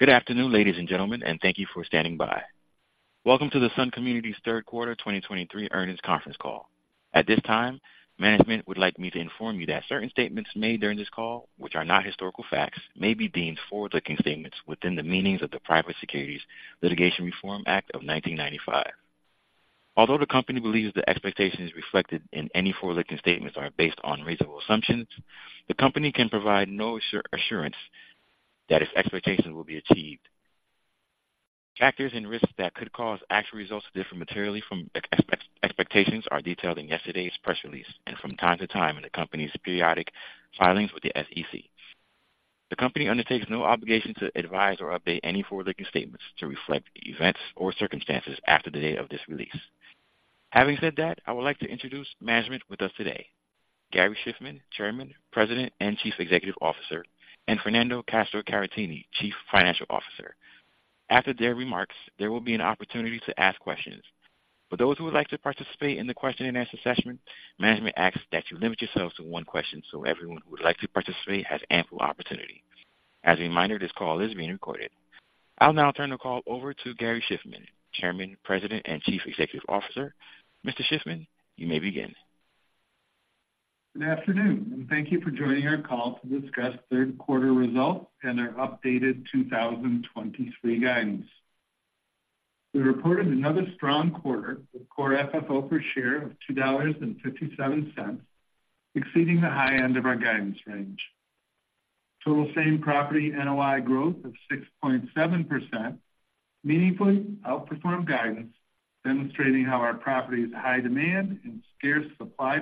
Good afternoon, ladies and gentlemen, and thank you for standing by. Welcome to Sun Communities third quarter 2023 earnings conference call. At this time, management would like me to inform you that certain statements made during this call, which are not historical facts, may be deemed forward-looking statements within the meanings of the Private Securities Litigation Reform Act of 1995. Although the company believes the expectations reflected in any forward-looking statements are based on reasonable assumptions, the company can provide no assurance that its expectations will be achieved. Factors and risks that could cause actual results to differ materially from expectations are detailed in yesterday's press release, and from time to time in the company's periodic filings with the SEC. The company undertakes no obligation to advise or update any forward-looking statements to reflect events or circumstances after the date of this release. Having said that, I would like to introduce management with us today, Gary Shiffman, Chairman, President, and Chief Executive Officer, and Fernando Castro-Caratini, Chief Financial Officer. After their remarks, there will be an opportunity to ask questions. For those who would like to participate in the question and answer session, management asks that you limit yourselves to one question, so everyone who would like to participate has ample opportunity. As a reminder, this call is being recorded. I'll now turn the call over to Gary Shiffman, Chairman, President, and Chief Executive Officer. Mr. Shiffman, you may begin. Good afternoon, and thank you for joining our call to discuss third quarter results and our updated 2023 guidance. We reported another strong quarter with core FFO per share of $2.57, exceeding the high end of our guidance range. Total same-property NOI growth of 6.7% meaningfully outperformed guidance, demonstrating how our property's high demand and scarce supply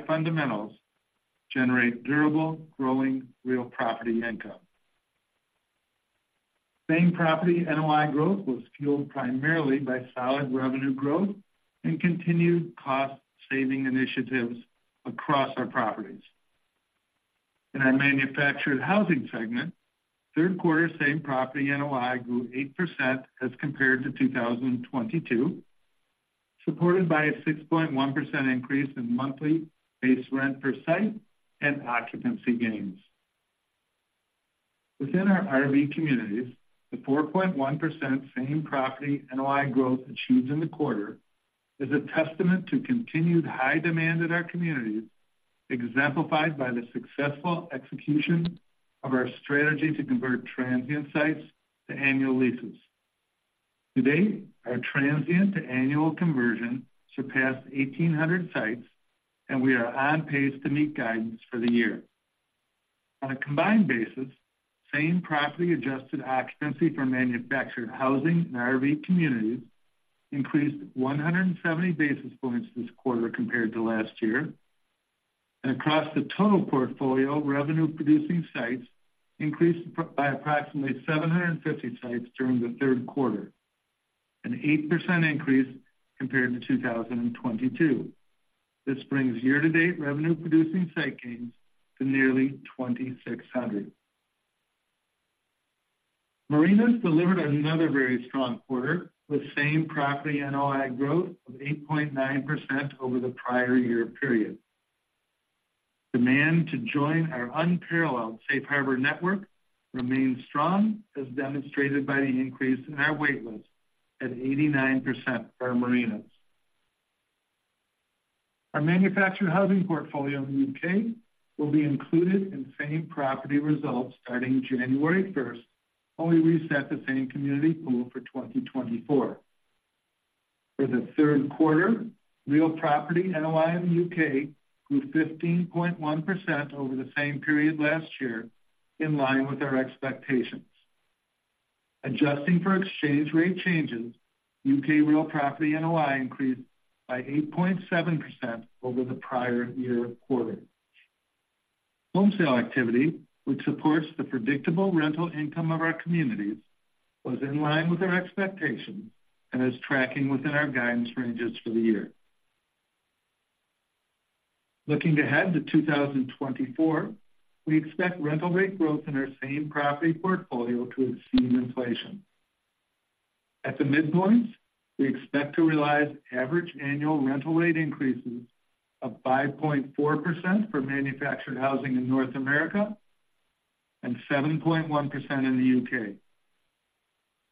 fundamentals generate durable, growing real property income. Same-property NOI growth was fueled primarily by solid revenue growth and continued cost-saving initiatives across our properties. In our manufactured housing segment, third quarter same-property NOI grew 8% as compared to 2022, supported by a 6.1% increase in monthly base rent per site and occupancy gains. Within our RV communities, the 4.1% same-property NOI growth achieved in the quarter is a testament to continued high demand at our communities, exemplified by the successful execution of our strategy to convert transient sites to annual leases. Today, our transient-to-annual conversion surpassed 1,800 sites, and we are on pace to meet guidance for the year. On a combined basis, same-property adjusted occupancy for manufactured housing and RV communities increased 170 basis points this quarter compared to last year, and across the total portfolio, revenue-producing sites increased by approximately 750 sites during the third quarter, an 8% increase compared to 2022. This brings year-to-date revenue-producing site gains to nearly 2,600. Marinas delivered another very strong quarter, with same-property NOI growth of 8.9% over the prior year period. Demand to join our unparalleled Safe Harbor network remains strong, as demonstrated by the increase in our wait list at 89% for our marinas. Our manufactured housing portfolio in the U.K. will be included in same-property results starting January 1st, when we reset the same community pool for 2024. For the third quarter, real property NOI in the U.K. grew 15.1% over the same period last year, in line with our expectations. Adjusting for exchange rate changes, U.K. real property NOI increased by 8.7% over the prior year quarter. Home sale activity, which supports the predictable rental income of our communities, was in line with our expectations and is tracking within our guidance ranges for the year. Looking ahead to 2024, we expect rental rate growth in our same-property portfolio to exceed inflation. At the midpoint, we expect to realize average annual rental rate increases of 5.4% for manufactured housing in North America and 7.1% in the U.K.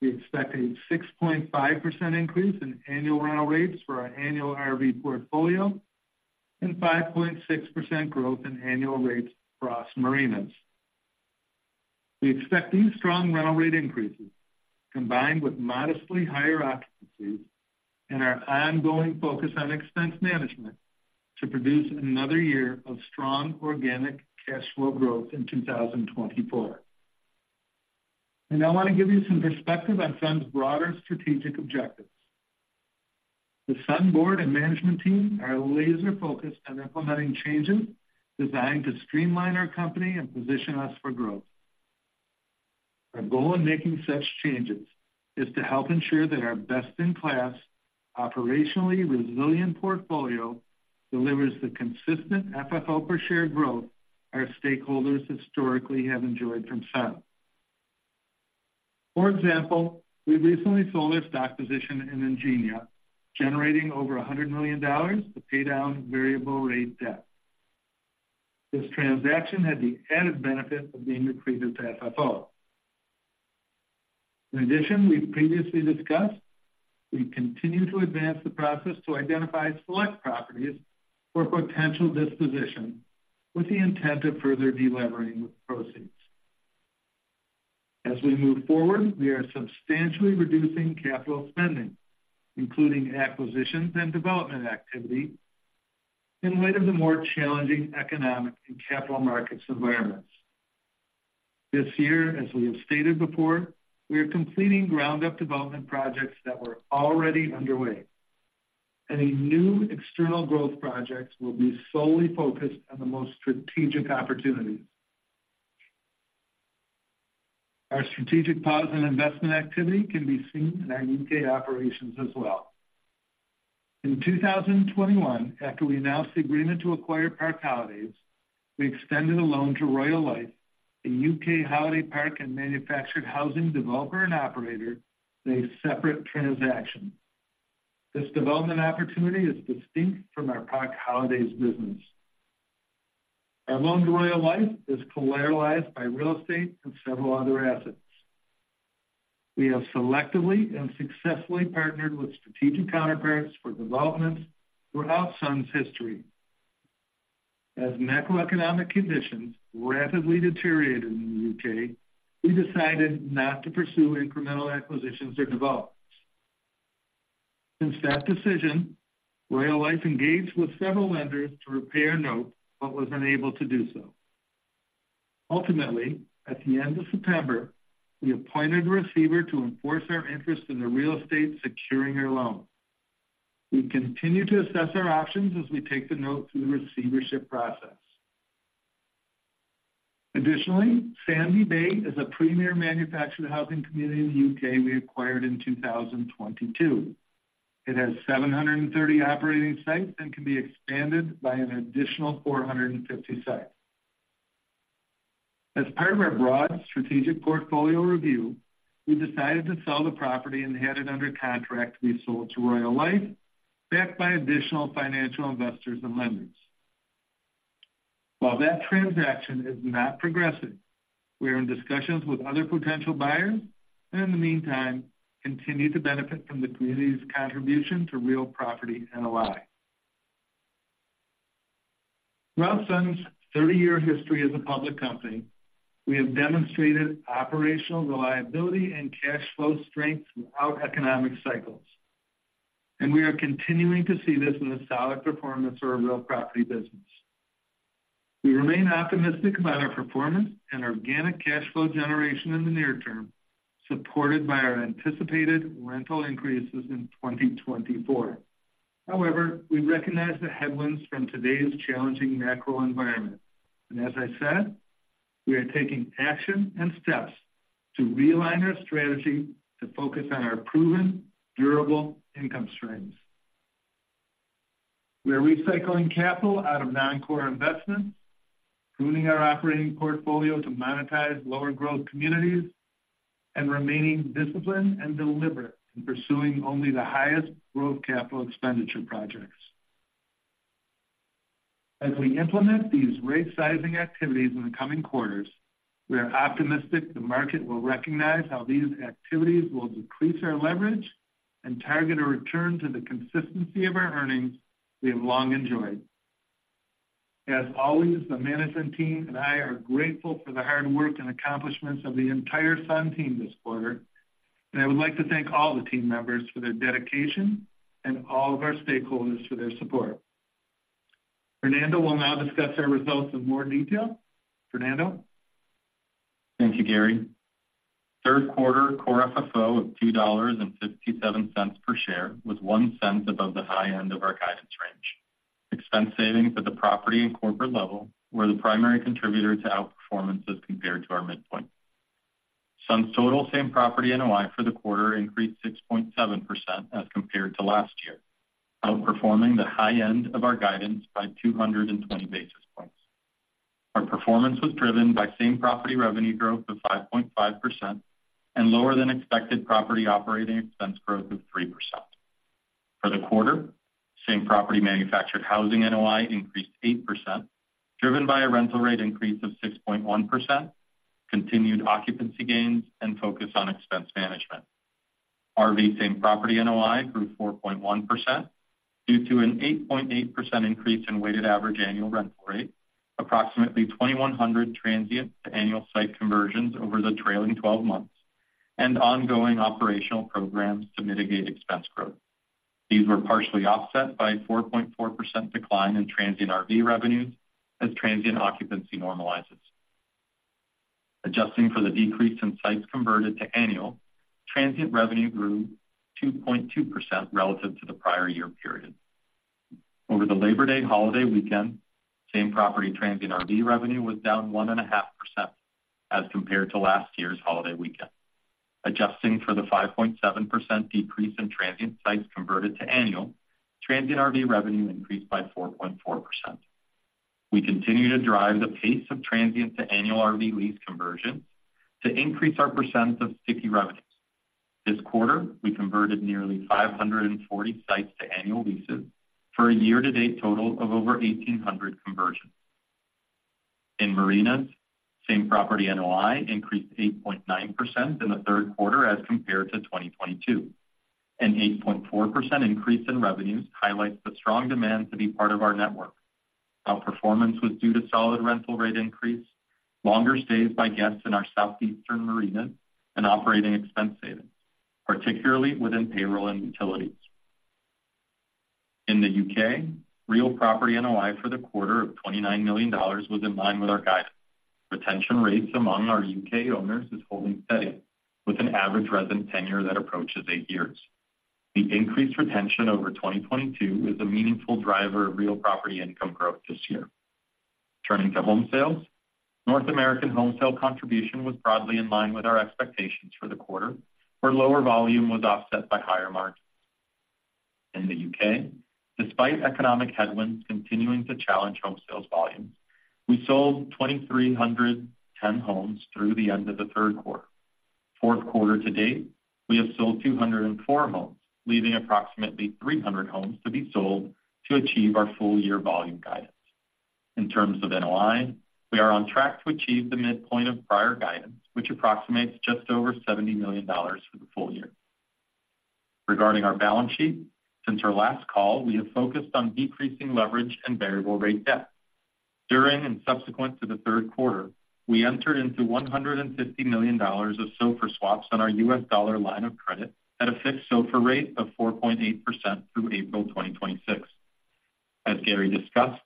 We expect a 6.5% increase in annual rental rates for our annual RV portfolio and 5.6% growth in annual rates across marinas. We expect these strong rental rate increases, combined with modestly higher occupancies and our ongoing focus on expense management, to produce another year of strong organic cash flow growth in 2024. I now want to give you some perspective on Sun's broader strategic objectives. The Sun board and management team are laser-focused on implementing changes designed to streamline our company and position us for growth. Our goal in making such changes is to help ensure that our best-in-class, operationally resilient portfolio delivers the consistent FFO per share growth our stakeholders historically have enjoyed from Sun. For example, we recently sold our stock position in Ingenia, generating over $100 million to pay down variable rate debt. This transaction had the added benefit of being accretive to FFO. In addition, we've previously discussed, we continue to advance the process to identify select properties for potential disposition, with the intent of further delevering with proceeds. As we move forward, we are substantially reducing capital spending, including acquisitions and development activity, in light of the more challenging economic and capital markets environments. This year, as we have stated before, we are completing ground-up development projects that were already underway. Any new external growth projects will be solely focused on the most strategic opportunities. Our strategic positive investment activity can be seen in our U.K. operations as well. In 2021, after we announced the agreement to acquire Park Holidays, we extended a loan to RoyaleLife, a U.K. holiday park and manufactured housing developer and operator, in a separate transaction. This development opportunity is distinct from our Park Holidays business. Our loan to RoyaleLife is collateralized by real estate and several other assets. We have selectively and successfully partnered with strategic counterparts for developments throughout Sun's history. As macroeconomic conditions rapidly deteriorated in the U.K., we decided not to pursue incremental acquisitions or developments. Since that decision, RoyaleLife engaged with several lenders to repay our note, but was unable to do so. Ultimately, at the end of September, we appointed a receiver to enforce our interest in the real estate securing our loan. We continue to assess our options as we take the note through the receivership process. Additionally, Sandy Bay is a premier manufactured housing community in the U.K. we acquired in 2022. It has 730 operating sites and can be expanded by an additional 450 sites. As part of our broad strategic portfolio review, we decided to sell the property and had it under contract to be sold to RoyaleLife, backed by additional financial investors and lenders. While that transaction is not progressing, we are in discussions with other potential buyers, and in the meantime, continue to benefit from the community's contribution to real property NOI. Throughout Sun's 30-year history as a public company, we have demonstrated operational reliability and cash flow strength throughout economic cycles, and we are continuing to see this in the solid performance of our real property business. We remain optimistic about our performance and organic cash flow generation in the near term, supported by our anticipated rental increases in 2024. However, we recognize the headwinds from today's challenging macro environment. And as I said, we are taking action and steps to realign our strategy to focus on our proven, durable income streams. We are recycling capital out of non-core investments, pruning our operating portfolio to monetize lower growth communities, and remaining disciplined and deliberate in pursuing only the highest growth capital expenditure projects. As we implement these rightsizing activities in the coming quarters, we are optimistic the market will recognize how these activities will decrease our leverage and target a return to the consistency of our earnings we have long enjoyed. As always, the management team and I are grateful for the hard work and accomplishments of the entire Sun team this quarter, and I would like to thank all the team members for their dedication and all of our stakeholders for their support. Fernando will now discuss our results in more detail. Fernando? Thank you, Gary. Third quarter core FFO of $2.57 per share, was $0.01 above the high end of our guidance range. Expense savings at the property and corporate level were the primary contributor to outperformance as compared to our midpoint. Same total same-property NOI for the quarter increased 6.7% as compared to last year, outperforming the high end of our guidance by 220 basis points. Our performance was driven by same-property revenue growth of 5.5% and lower than expected property operating expense growth of 3%. For the quarter, same-property manufactured housing NOI increased 8%, driven by a rental rate increase of 6.1%, continued occupancy gains, and focus on expense management. RV same-property NOI grew 4.1% due to an 8.8% increase in weighted average annual rental rate, approximately 2,100 transient to annual site conversions over the trailing 12 months, and ongoing operational programs to mitigate expense growth. These were partially offset by 4.4% decline in transient RV revenues as transient occupancy normalizes. Adjusting for the decrease in sites converted to annual, transient revenue grew 2.2% relative to the prior year period. Over the Labor Day holiday weekend, same property transient RV revenue was down 1.5% as compared to last year's holiday weekend. Adjusting for the 5.7% decrease in transient sites converted to annual, transient RV revenue increased by 4.4%. We continue to drive the pace of transient to annual RV lease conversion to increase our percentage of sticky revenue. This quarter, we converted nearly 540 sites to annual leases for a year-to-date total of over 1,800 conversions. In marinas, same property NOI increased 8.9% in the third quarter as compared to 2022. An 8.4% increase in revenues highlights the strong demand to be part of our network. Our performance was due to solid rental rate increase, longer stays by guests in our southeastern marinas, and operating expense savings, particularly within payroll and utilities. In the U.K., real property NOI for the quarter of $29 million was in line with our guidance. Retention rates among our U.K. owners is holding steady, with an average resident tenure that approaches eight years. The increased retention over 2022 is a meaningful driver of real property income growth this year. Turning to home sales, North American home sale contribution was broadly in line with our expectations for the quarter, where lower volume was offset by higher margins. In the U.K., despite economic headwinds continuing to challenge home sales volumes, we sold 2,310 homes through the end of the third quarter. Fourth quarter to date, we have sold 204 homes, leaving approximately 300 homes to be sold to achieve our full-year volume guidance. In terms of NOI, we are on track to achieve the midpoint of prior guidance, which approximates just over $70 million for the full year. Regarding our balance sheet, since our last call, we have focused on decreasing leverage and variable rate debt. During and subsequent to the third quarter, we entered into $150 million of SOFR swaps on our U.S. dollar line of credit at a fixed SOFR rate of 4.8% through April 2026. As Gary discussed,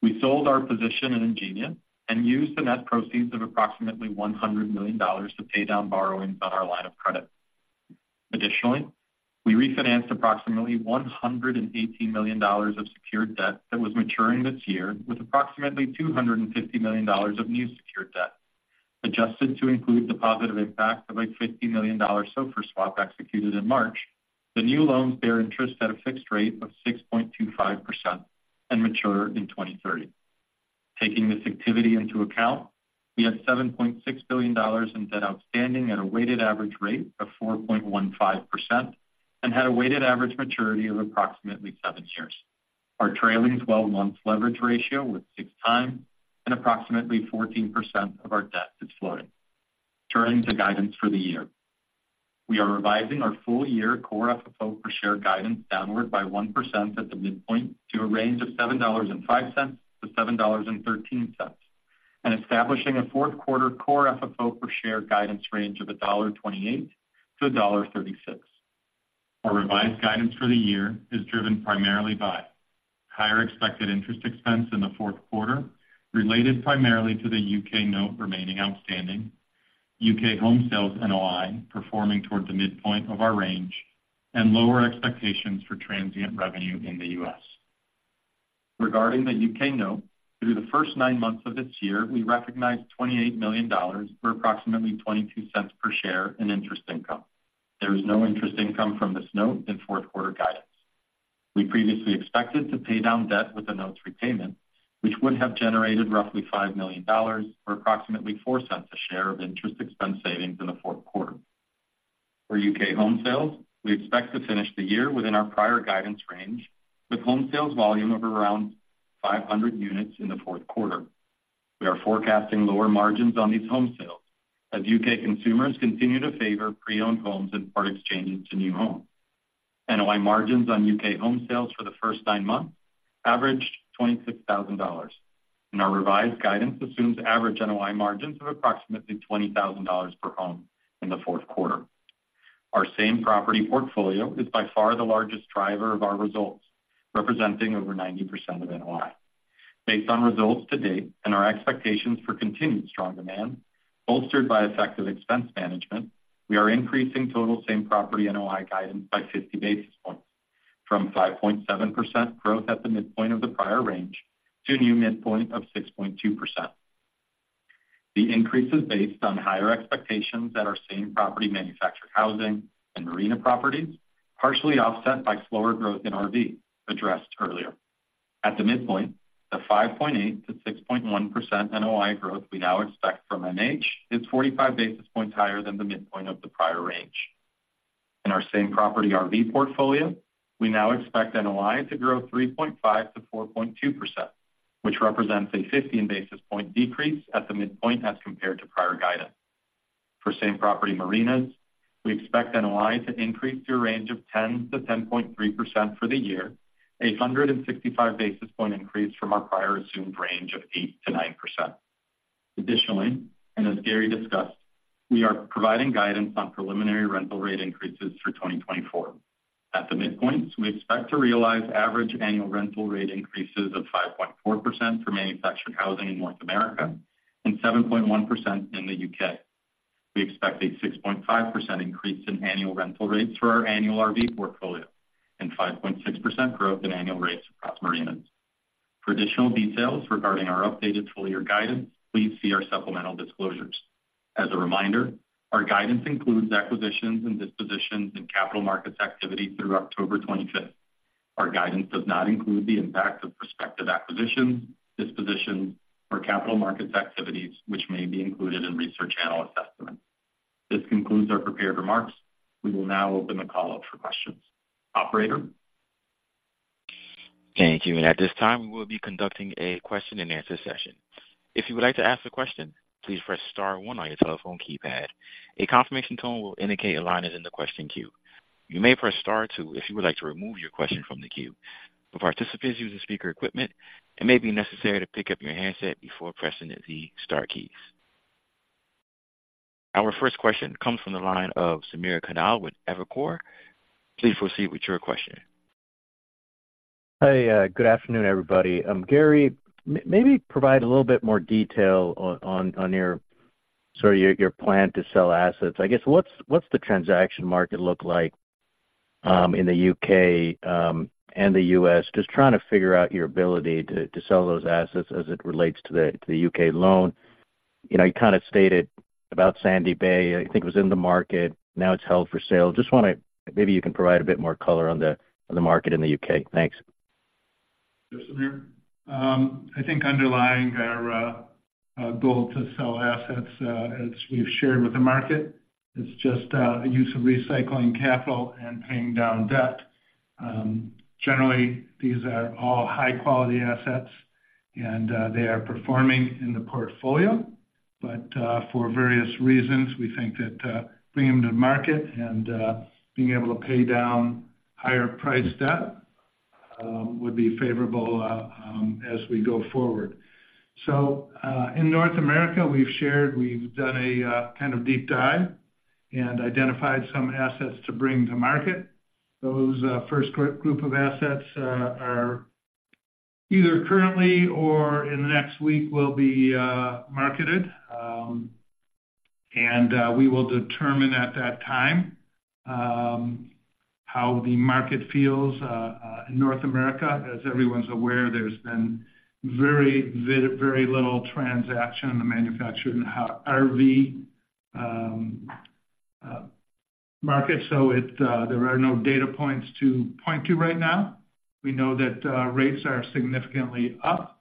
we sold our position in Ingenia and used the net proceeds of approximately $100 million to pay down borrowings on our line of credit. Additionally, we refinanced approximately $118 million of secured debt that was maturing this year, with approximately $250 million of new secured debt. Adjusted to include the positive impact of a $50 million SOFR swap executed in March, the new loans bear interest at a fixed rate of 6.25% and mature in 2030. Taking this activity into account, we had $7.6 billion in debt outstanding at a weighted average rate of 4.15% and had a weighted average maturity of approximately seven years. Our trailing 12-month leverage ratio was 6x, and approximately 14% of our debt is floating. Turning to guidance for the year. We are revising our full-year core FFO per share guidance downward by 1% at the midpoint to a range of $7.05-$7.13, and establishing a fourth quarter core FFO per share guidance range of $1.28-$1.36. Our revised guidance for the year is driven primarily by higher expected interest expense in the fourth quarter, related primarily to the U.K. note remaining outstanding, U.K. home sales NOI performing toward the midpoint of our range, and lower expectations for transient revenue in the U.S. Regarding the U.K. note, through the first nine months of this year, we recognized $28 million or approximately $0.22 per share in interest income. There is no interest income from this note in fourth quarter guidance. We previously expected to pay down debt with the note's repayment, which would have generated roughly $5 million, or approximately $0.04 a share of interest expense savings in the fourth quarter. For U.K. home sales, we expect to finish the year within our prior guidance range, with home sales volume of around 500 units in the fourth quarter. We are forecasting lower margins on these home sales as U.K. consumers continue to favor pre-owned homes and part exchanges to new homes. NOI margins on U.K. home sales for the first nine months averaged $26,000, and our revised guidance assumes average NOI margins of approximately $20,000 per home in the fourth quarter. Our same-property portfolio is by far the largest driver of our results, representing over 90% of NOI. Based on results to date and our expectations for continued strong demand, bolstered by effective expense management, we are increasing total same-property NOI guidance by 50 basis points, from 5.7% growth at the midpoint of the prior range to a new midpoint of 6.2%. The increase is based on higher expectations at our same-property manufactured housing and marina properties, partially offset by slower growth in RV, addressed earlier. At the midpoint, the 5.8%-6.1% NOI growth we now expect from MH is 45 basis points higher than the midpoint of the prior range. In our same-property RV portfolio, we now expect NOI to grow 3.5%-4.2%, which represents a 15 basis point decrease at the midpoint as compared to prior guidance. For same-property marinas, we expect NOI to increase to a range of 10%-10.3% for the year, a 165 basis point increase from our prior assumed range of 8%-9%. Additionally, and as Gary discussed, we are providing guidance on preliminary rental rate increases for 2024. At the midpoint, we expect to realize average annual rental rate increases of 5.4% for manufactured housing in North America and 7.1% in the U.K. We expect a 6.5% increase in annual rental rates for our annual RV portfolio and 5.6% growth in annual rates across marinas. For additional details regarding our updated full-year guidance, please see our supplemental disclosures. As a reminder, our guidance includes acquisitions and dispositions and capital markets activity through October 25th. Our guidance does not include the impact of prospective acquisitions, dispositions, or capital markets activities, which may be included in research analyst estimates. This concludes our prepared remarks. We will now open the call up for questions. Operator? Thank you. At this time, we will be conducting a question and answer session. If you would like to ask a question, please press star one on your telephone keypad. A confirmation tone will indicate your line is in the question queue. You may press star two if you would like to remove your question from the queue. For participants using speaker equipment, it may be necessary to pick up your handset before pressing the star keys. Our first question comes from the line of Samir Khanal with Evercore. Please proceed with your question. Hey, good afternoon, everybody. Gary, maybe provide a little bit more detail on your plan to sell assets. I guess, what's the transaction market look like in the U.K. and the U.S.? Just trying to figure out your ability to sell those assets as it relates to the U.K. loan. You know, you kind of stated about Sandy Bay, I think it was in the market, now it's held for sale. Just want to maybe you can provide a bit more color on the market in the U.K. Thanks. Yeah, Samir. I think underlying our goal to sell assets, as we've shared with the market, is just a use of recycling capital and paying down debt. Generally, these are all high-quality assets, and they are performing in the portfolio. But for various reasons, we think that bringing them to market and being able to pay down higher priced debt would be favorable as we go forward. So in North America, we've shared we've done a kind of deep dive and identified some assets to bring to market. Those first group of assets are either currently or in the next week will be marketed. And we will determine at that time how the market feels in North America. As everyone's aware, there's been very, very little transaction in the manufactured RV market, so there are no data points to point to right now. We know that rates are significantly up,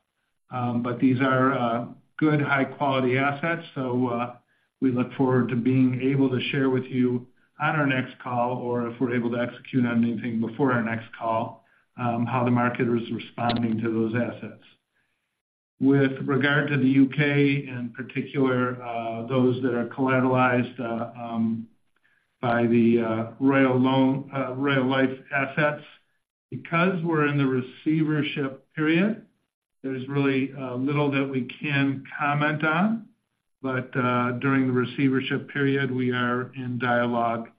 but these are good, high-quality assets, so we look forward to being able to share with you on our next call, or if we're able to execute on anything before our next call, how the market is responding to those assets. With regard to the U.K., in particular, those that are collateralized by the RoyaleLife assets, because we're in the receivership period, there's really little that we can comment on. During the receivership period, we are in dialogue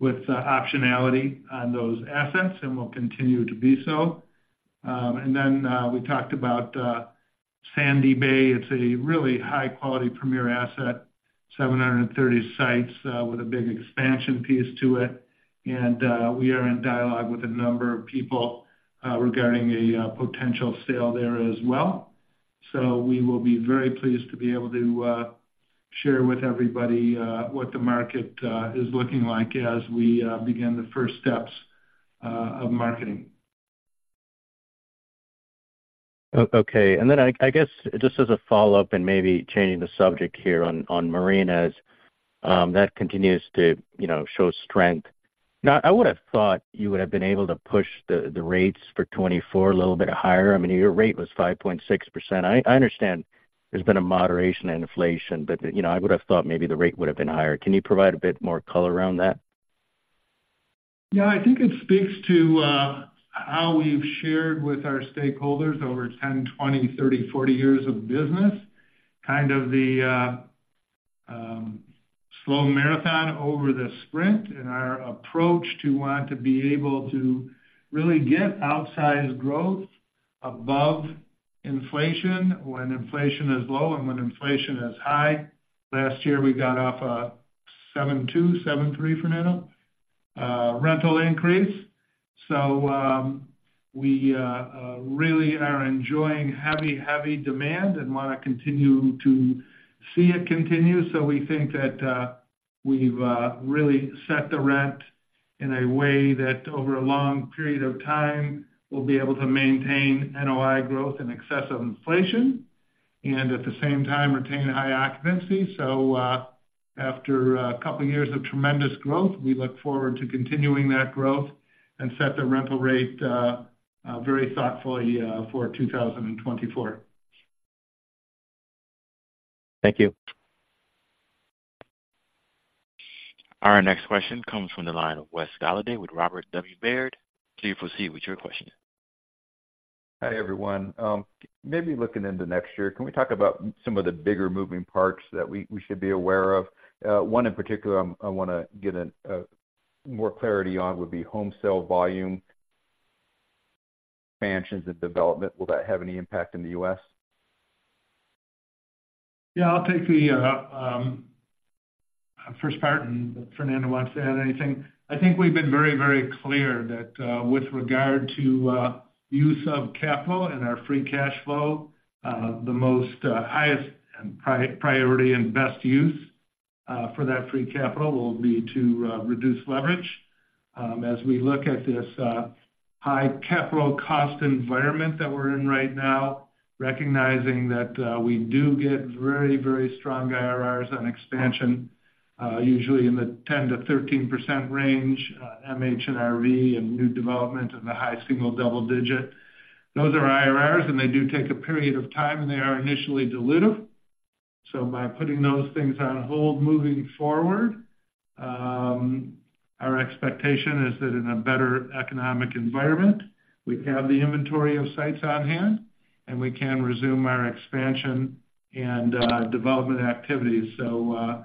with the optionality on those assets, and will continue to be so. We talked about Sandy Bay. It's a really high-quality premier asset, 730 sites, with a big expansion piece to it. We are in dialogue with a number of people regarding a potential sale there as well. We will be very pleased to be able to share with everybody what the market is looking like as we begin the first steps of marketing. Okay. I guess, just as a follow-up, maybe changing the subject here on marinas, that continues to, you know, show strength. Now, I would have thought you would have been able to push the rates for 2024 a little bit higher. I mean, your rate was 5.6%. I understand there's been a moderation in inflation, but, you know, I would have thought maybe the rate would have been higher. Can you provide a bit more color around that? Yeah, I think it speaks to how we've shared with our stakeholders over 10, 20, 30, 40 years of business, kind of the slow marathon over the sprint, and our approach to want to be able to really get outsized growth above inflation when inflation is low and when inflation is high. Last year, we got off a 7.2%-7.3%, Fernando, rental increase. So, we really are enjoying heavy, heavy demand and wanna continue to see it continue. So we think that we've really set the rent in a way that over a long period of time, we'll be able to maintain NOI growth in excess of inflation and at the same time, retain a high occupancy. After a couple of years of tremendous growth, we look forward to continuing that growth and set the rental rate very thoughtfully for 2024. Thank you. Our next question comes from the line of Wes Golladay with Robert W. Baird. Please proceed with your question. Hi, everyone. Maybe looking into next year, can we talk about some of the bigger moving parts that we should be aware of? One in particular I wanna get more clarity on would be home sale volume, expansions, and development. Will that have any impact in the U.S.? Yeah, I'll take the first part, and if Fernando wants to add anything. I think we've been very, very clear that, with regard to, use of capital and our free cash flow, the most, highest priority and best use, for that free capital will be to, reduce leverage. As we look at this, high capital cost environment that we're in right now, recognizing that, we do get very, very strong IRRs on expansion, usually in the 10%-13% range, MH and RV and new development in the high single double digit. Those are IRRs, and they do take a period of time, and they are initially dilutive. So by putting those things on hold moving forward, our expectation is that in a better economic environment, we have the inventory of sites on hand, and we can resume our expansion and development activities. So,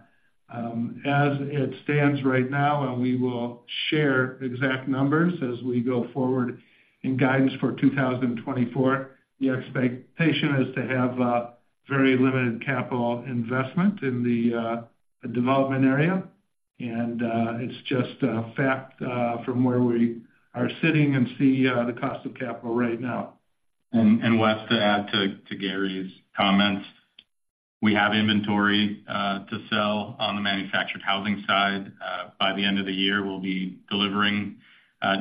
as it stands right now, and we will share exact numbers as we go forward in guidance for 2024, the expectation is to have very limited capital investment in the development area. And, it's just a fact, from where we are sitting and see the cost of capital right now. And Wes, to add to Gary's comments, we have inventory to sell on the manufactured housing side. By the end of the year, we'll be delivering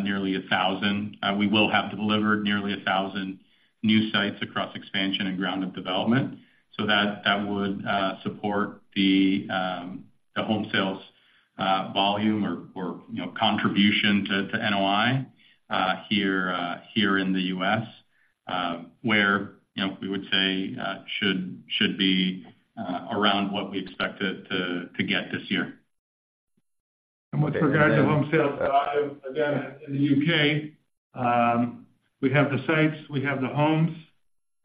nearly 1,000. We will have delivered nearly 1,000 new sites across expansion and ground-up development. So that would support the home sales volume or, you know, contribution to NOI here in the U.S., where, you know, we would say should be around what we expected to get this year. With regard to home sales volume, again, in the U.K., we have the sites, we have the homes.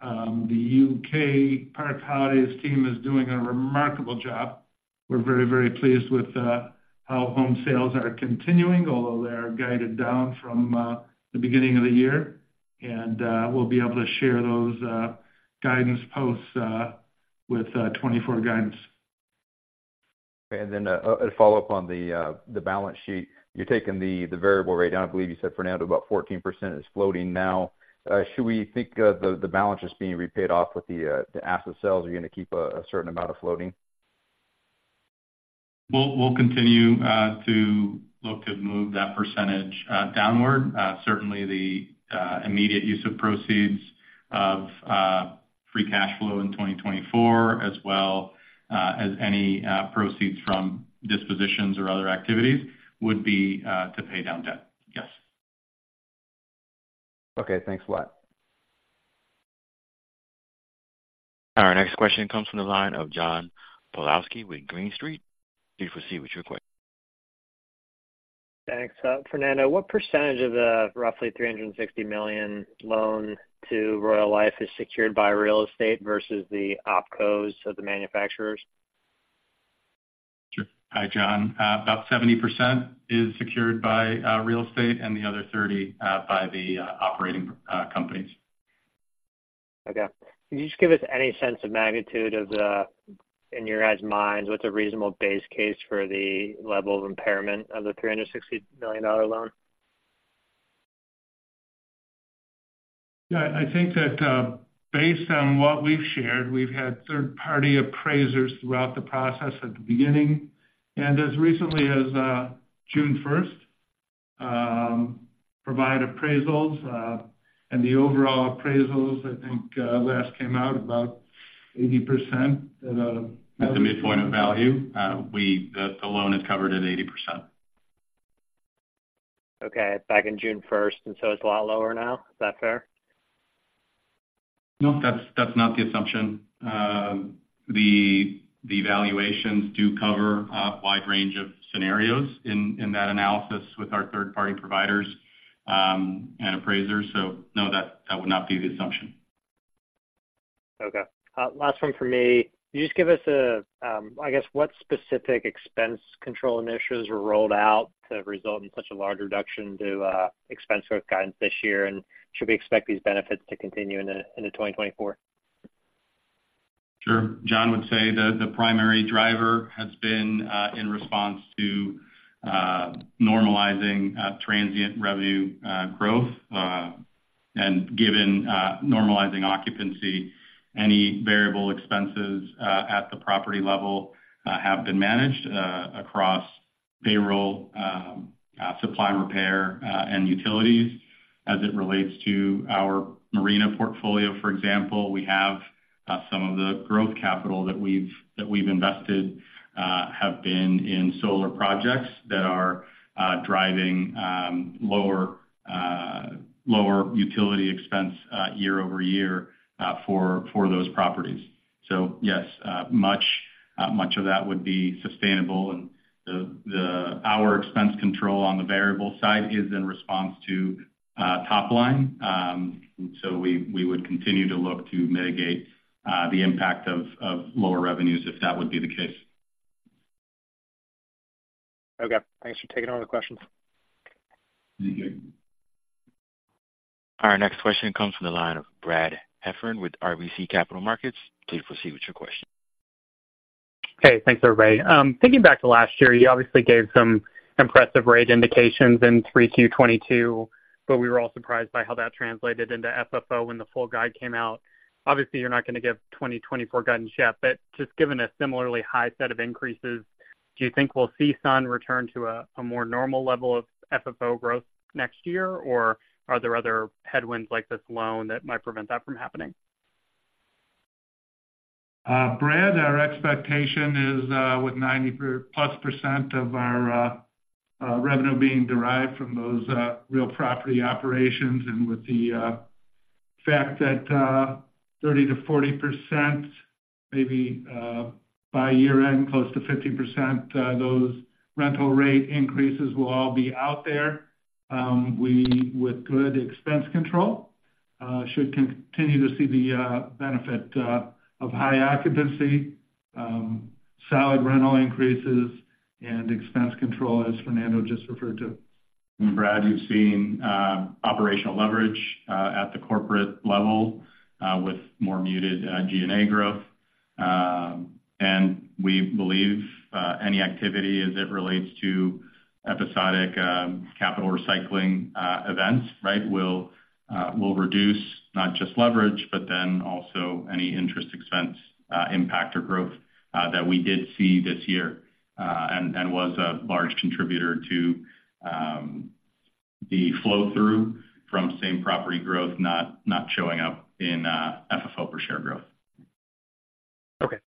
The U.K. Park Holidays team is doing a remarkable job. We're very, very pleased with how home sales are continuing, although they are guided down from the beginning of the year. We'll be able to share those guidance posts with 2024 guidance. A follow-up on the balance sheet. You're taking the variable rate down, I believe you said, Fernando, about 14% is floating now. Should we think of the balance just being repaid off with the asset sales? Are you going to keep a certain amount of floating? We'll continue to look to move that percentage downward. Certainly the immediate use of proceeds of free cash flow in 2024, as well as any proceeds from dispositions or other activities, would be to pay down debt. Yes. Okay, thanks a lot. Our next question comes from the line of John Pawlowski with Green Street. Please proceed with your question. Thanks. Fernando, what percentage of the roughly $360 million loan to RoyaleLife is secured by real estate versus the OpCos of the manufacturers? Sure. Hi, John. About 70% is secured by real estate and the other 30% by the operating companies. Okay. Can you just give us any sense of magnitude of the, in your guys' minds, what's a reasonable base case for the level of impairment of the $360 million loan? Yeah, I think that, based on what we've shared, we've had third-party appraisers throughout the process at the beginning, and as recently as June 1st, provide appraisals. And the overall appraisals, I think, last came out about 80% at. At the midpoint of value. We, the, the loan is covered at 80%. Okay. Back in June 1st, and so it's a lot lower now. Is that fair? No, that's, that's not the assumption. The valuations do cover a wide range of scenarios in that analysis with our third-party providers, and appraisers. So no, that would not be the assumption. Okay. Last one for me. Can you just give us a, I guess, what specific expense control initiatives were rolled out to result in such a large reduction to expense growth guidance this year? And should we expect these benefits to continue into 2024? Sure. John would say that the primary driver has been in response to normalizing transient revenue growth, and given normalizing occupancy, any variable expenses at the property level have been managed across payroll, supply and repair, and utilities. As it relates to our marina portfolio, for example, we have some of the growth capital that we've invested in solar projects that are driving lower utility expense year-over-year for those properties. Yes, much of that would be sustainable. Our expense control on the variable side is in response to top line. We would continue to look to mitigate the impact of lower revenues, if that would be the case. Okay. Thanks for taking all the questions. Thank you. Our next question comes from the line of Brad Heffern with RBC Capital Markets. Please proceed with your question. Hey, thanks, everybody. Thinking back to last year, you obviously gave some impressive rate indications in 3Q 2022, but we were all surprised by how that translated into FFO when the full guide came out. Obviously, you're not gonna give 2024 guidance yet, but just given a similarly high set of increases, do you think we'll see Sun return to a, a more normal level of FFO growth next year? Or are there other headwinds like this loan that might prevent that from happening? Brad, our expectation is, with 90%+ of our revenue being derived from those real property operations, and with the fact that 30%-40%, maybe, by year-end, close to 50%, those rental rate increases will all be out there. We, with good expense control, should continue to see the benefit of high occupancy, solid rental increases, and expense control, as Fernando just referred to. Brad, you've seen operational leverage at the corporate level with more muted G&A growth. We believe any activity as it relates to episodic capital recycling events, right? Will reduce not just leverage, but then also any interest expense impact or growth that we did see this year, and was a large contributor to the flow-through from same property growth not showing up in FFO per share growth.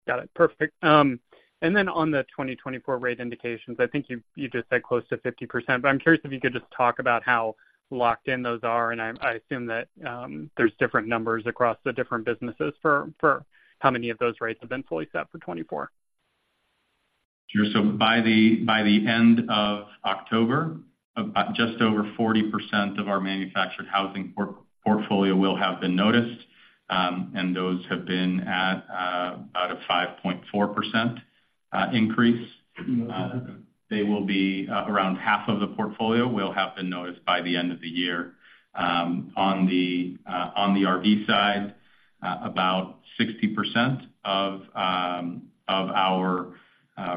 Got it. Perfect. And then on the 2024 rate indications, I think you just said close to 50%, but I'm curious if you could just talk about how locked in those are. I assume that there's different numbers across the different businesses for how many of those rates have been fully set for 2024. Sure. So by the end of October, just over 40% of our manufactured housing portfolio will have been noticed, and those have been at about a 5.4% increase. They will be around half of the portfolio, will have been noticed by the end of the year. On the RV side, about 60% of our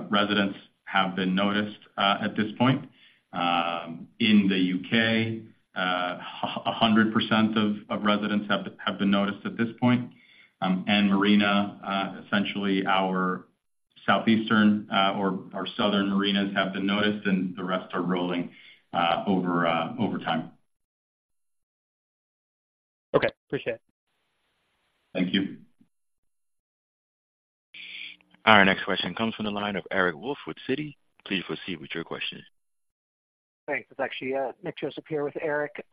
residents have been noticed at this point. In the U.K., 100% of residents have been noticed at this point. And marinas, essentially our southeastern or our southern marinas have been noticed, and the rest are rolling over time. Okay. Appreciate it. Thank you. Our next question comes from the line of Eric Wolfe with Citi. Please proceed with your question. Thanks. It's actually Nick Joseph here with Eric.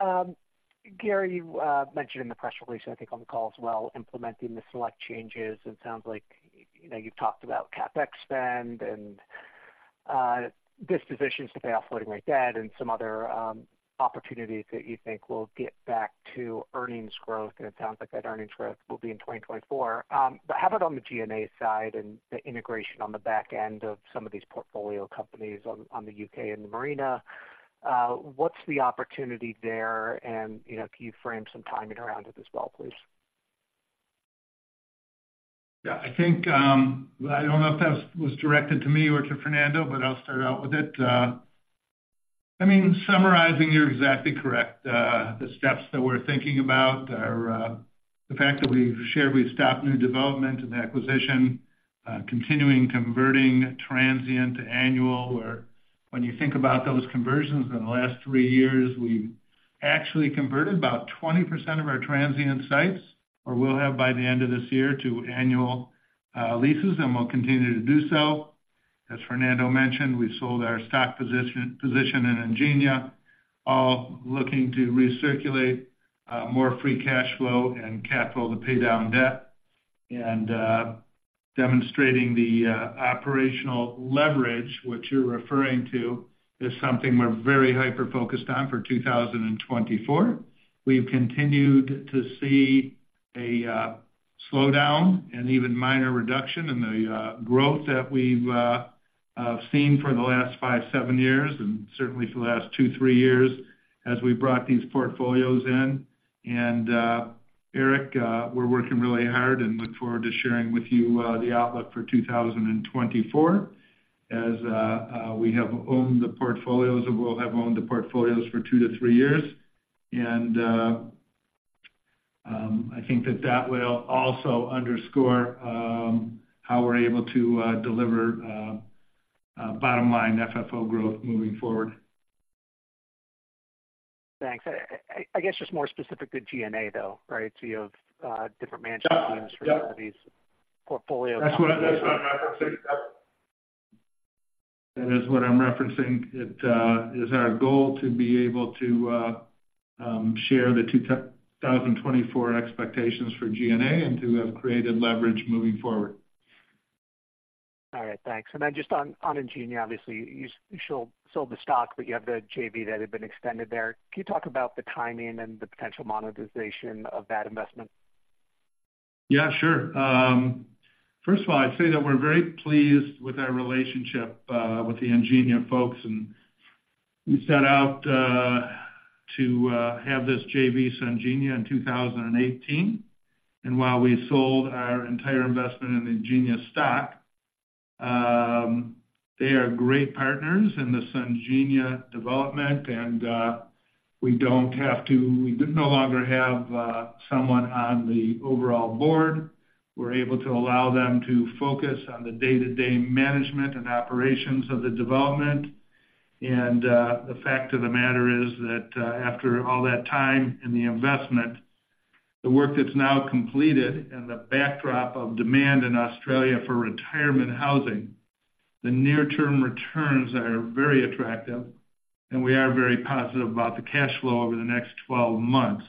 Gary, you mentioned in the press release, I think, on the call as well, implementing the select changes. It sounds like, you know, you've talked about CapEx spend and dispositions to pay off floating rate debt and some other opportunities that you think will get back to earnings growth, and it sounds like that earnings growth will be in 2024. How about on the G&A side and the integration on the back end of some of these portfolio companies on the U.K. and the marina? What's the opportunity there? And, you know, can you frame some timing around it as well, please? Yeah, I think, I don't know if that was directed to me or to Fernando, but I'll start out with it. I mean, summarizing, you're exactly correct. The steps that we're thinking about are the fact that we've shared, we've stopped new development and acquisition, continuing converting transient to annual, where when you think about those conversions in the last three years, we've actually converted about 20% of our transient sites, or will have by the end of this year, to annual leases, and we'll continue to do so. As Fernando mentioned, we sold our stock position in Ingenia, all looking to recirculate more free cash flow and capital to pay down debt. Demonstrating the operational leverage, which you're referring to, is something we're very hyper-focused on for 2024. We've continued to see a slowdown and even minor reduction in the growth that we've seen for the last five to seven years, and certainly for the last two to three years as we brought these portfolios in. Eric, we're working really hard and look forward to sharing with you the outlook for 2024, as we have owned the portfolios and will have owned the portfolios for two to three years. I think that that will also underscore how we're able to deliver bottom line FFO growth moving forward. Thanks. I guess just more specific to G&A, though, right? So you have different management teams for these portfolio. That's what, that's what I'm referencing. That is what I'm referencing. It is our goal to be able to share the 2024 expectations for G&A and to have created leverage moving forward. All right, thanks. And then just on Ingenia, obviously, you sold the stock, but you have the JV that had been extended there. Can you talk about the timing and the potential monetization of that investment? Yeah, sure. First of all, I'd say that we're very pleased with our relationship with the Ingenia folks, and we set out to have this JV, Ingenia, in 2018. And while we sold our entire investment in Ingenia stock, they are great partners in the Sungenia development, and we no longer have someone on the overall board. We're able to allow them to focus on the day-to-day management and operations of the development. And the fact of the matter is that after all that time and the investment, the work that's now completed and the backdrop of demand in Australia for retirement housing, the near-term returns are very attractive, and we are very positive about the cash flow over the next 12 months.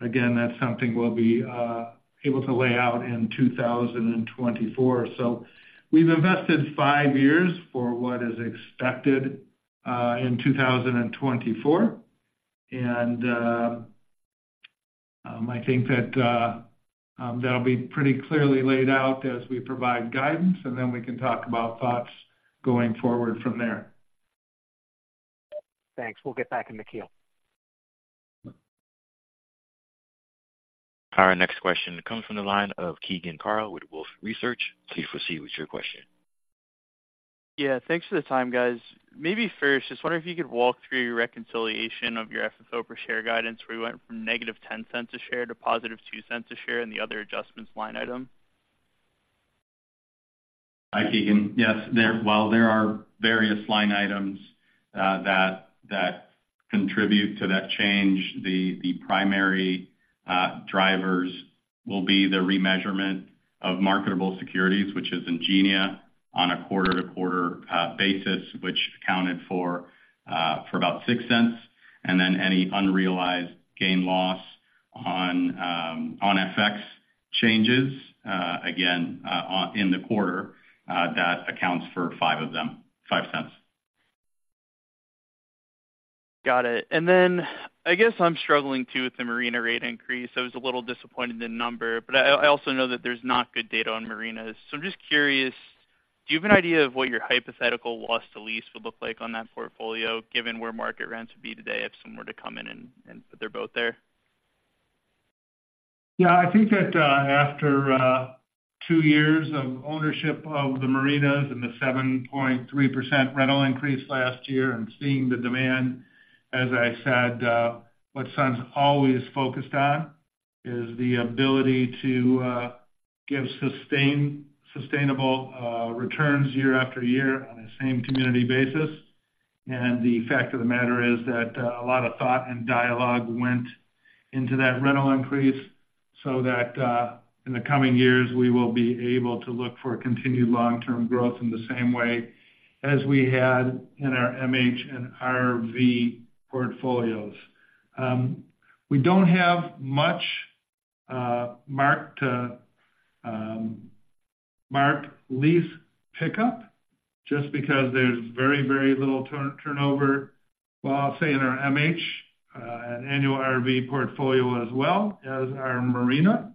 Again, that's something we'll be able to lay out in 2024. So we've invested five years for what is expected in 2024. And, I think that, that'll be pretty clearly laid out as we provide guidance, and then we can talk about thoughts going forward from there. Thanks. We'll get back in the queue. Our next question comes from the line of Keegan Carl with Wolfe Research. Please proceed with your question. Yeah, thanks for the time, guys. Maybe first, just wonder if you could walk through your reconciliation of your FFO per share guidance, where you went from -$0.10 a share to +$0.02 a share in the other adjustments line item? Hi, Keegan. Yes, there while there are various line items that that contribute to that change, the primary drivers will be the remeasurement of marketable securities, which is Ingenia, on a quarter-to-quarter basis, which accounted for about $0.06, and then any unrealized gain loss on FX changes, again, in the quarter, that accounts for five of them, $0.05. Got it. And then I guess I'm struggling too with the marina rate increase. I was a little disappointed in the number, but I, I also know that there's not good data on marinas. So I'm just curious, do you have an idea of what your hypothetical loss to lease would look like on that portfolio, given where market rents would be today if someone were to come in and, and put their boat there? Yeah, I think that after two years of ownership of the marinas and the 7.3% rental increase last year and seeing the demand, as I said, what Sun's always focused on is the ability to give sustainable returns year after year on the same community basis. The fact of the matter is that a lot of thought and dialogue went into that rental increase so that in the coming years, we will be able to look for continued long-term growth in the same way as we had in our MH and RV portfolios. We don't have much marked lease pickup just because there's very, very little turnover, well, I'll say in our MH and annual RV portfolio as well as our marina.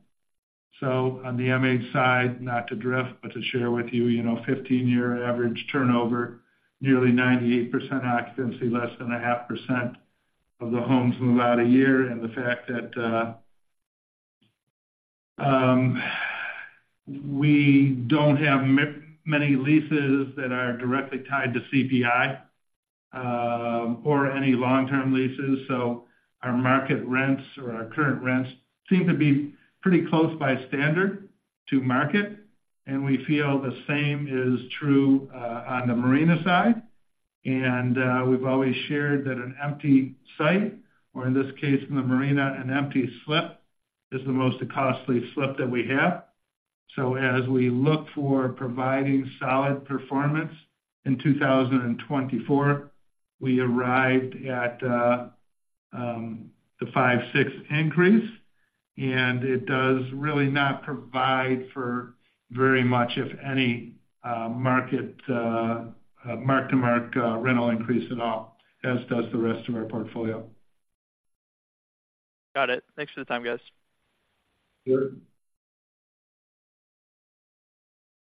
So on the MH side, not to drift, but to share with you, you know, 15-year average turnover, nearly 98% occupancy, less than 0.5% of the homes move out a year. And the fact that we don't have many leases that are directly tied to CPI, or any long-term leases, so our market rents or our current rents seem to be pretty close by standard to market, and we feel the same is true on the marina side. And we've always shared that an empty site, or in this case, in the marina, an empty slip, is the most costly slip that we have. As we look for providing solid performance in 2024, we arrived at the 5%-6% increase, and it does really not provide for very much, if any, market, mark-to-mark, rental increase at all, as does the rest of our portfolio. Got it. Thanks for the time, guys. Sure.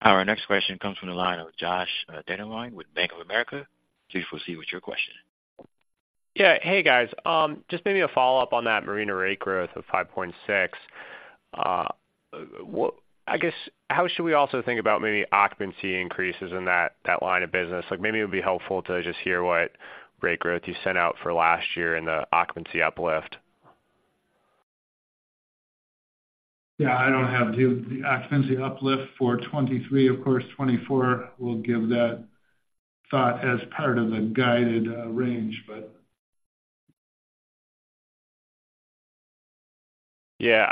Our next question comes from the line of Josh Dennerlein with Bank of America. Please proceed with your question. Yeah. Hey, guys. Just maybe a follow-up on that marina rate growth of 5.6%. What, I guess, how should we also think about maybe occupancy increases in that line of business? Like, maybe it would be helpful to just hear what rate growth you sent out for last year and the occupancy uplift. Yeah, I don't have the occupancy uplift for 2023. Of course, 2024 will give that thought as part of the guided range, but. Yeah,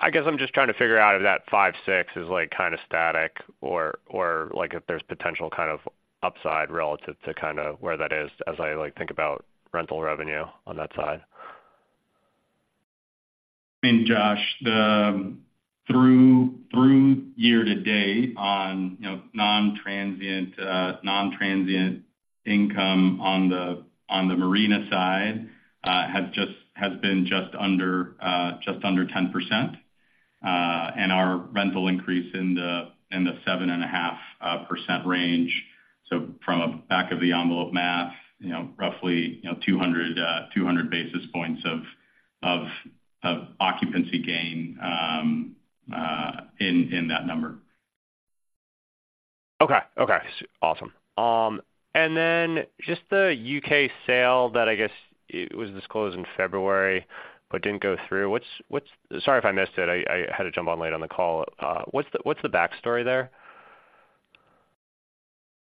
I guess I'm just trying to figure out if that 5.6% is, like, kind of static or, like, if there's potential kind of upside relative to kind of where that is, as I, like, think about rental revenue on that side. And Josh, through year to date on, you know, nontransient income on the marina side has just been just under 10%, and our rental increase in the 7.5% range. So from a back-of-the-envelope math, you know, roughly, you know, 200 basis points of occupancy gain in that number. Okay. Okay, awesome. And then just the U.K. sale that I guess it was disclosed in February but didn't go through. What's, what's, sorry if I missed it. I had to jump on late on the call. What's the, what's the backstory there?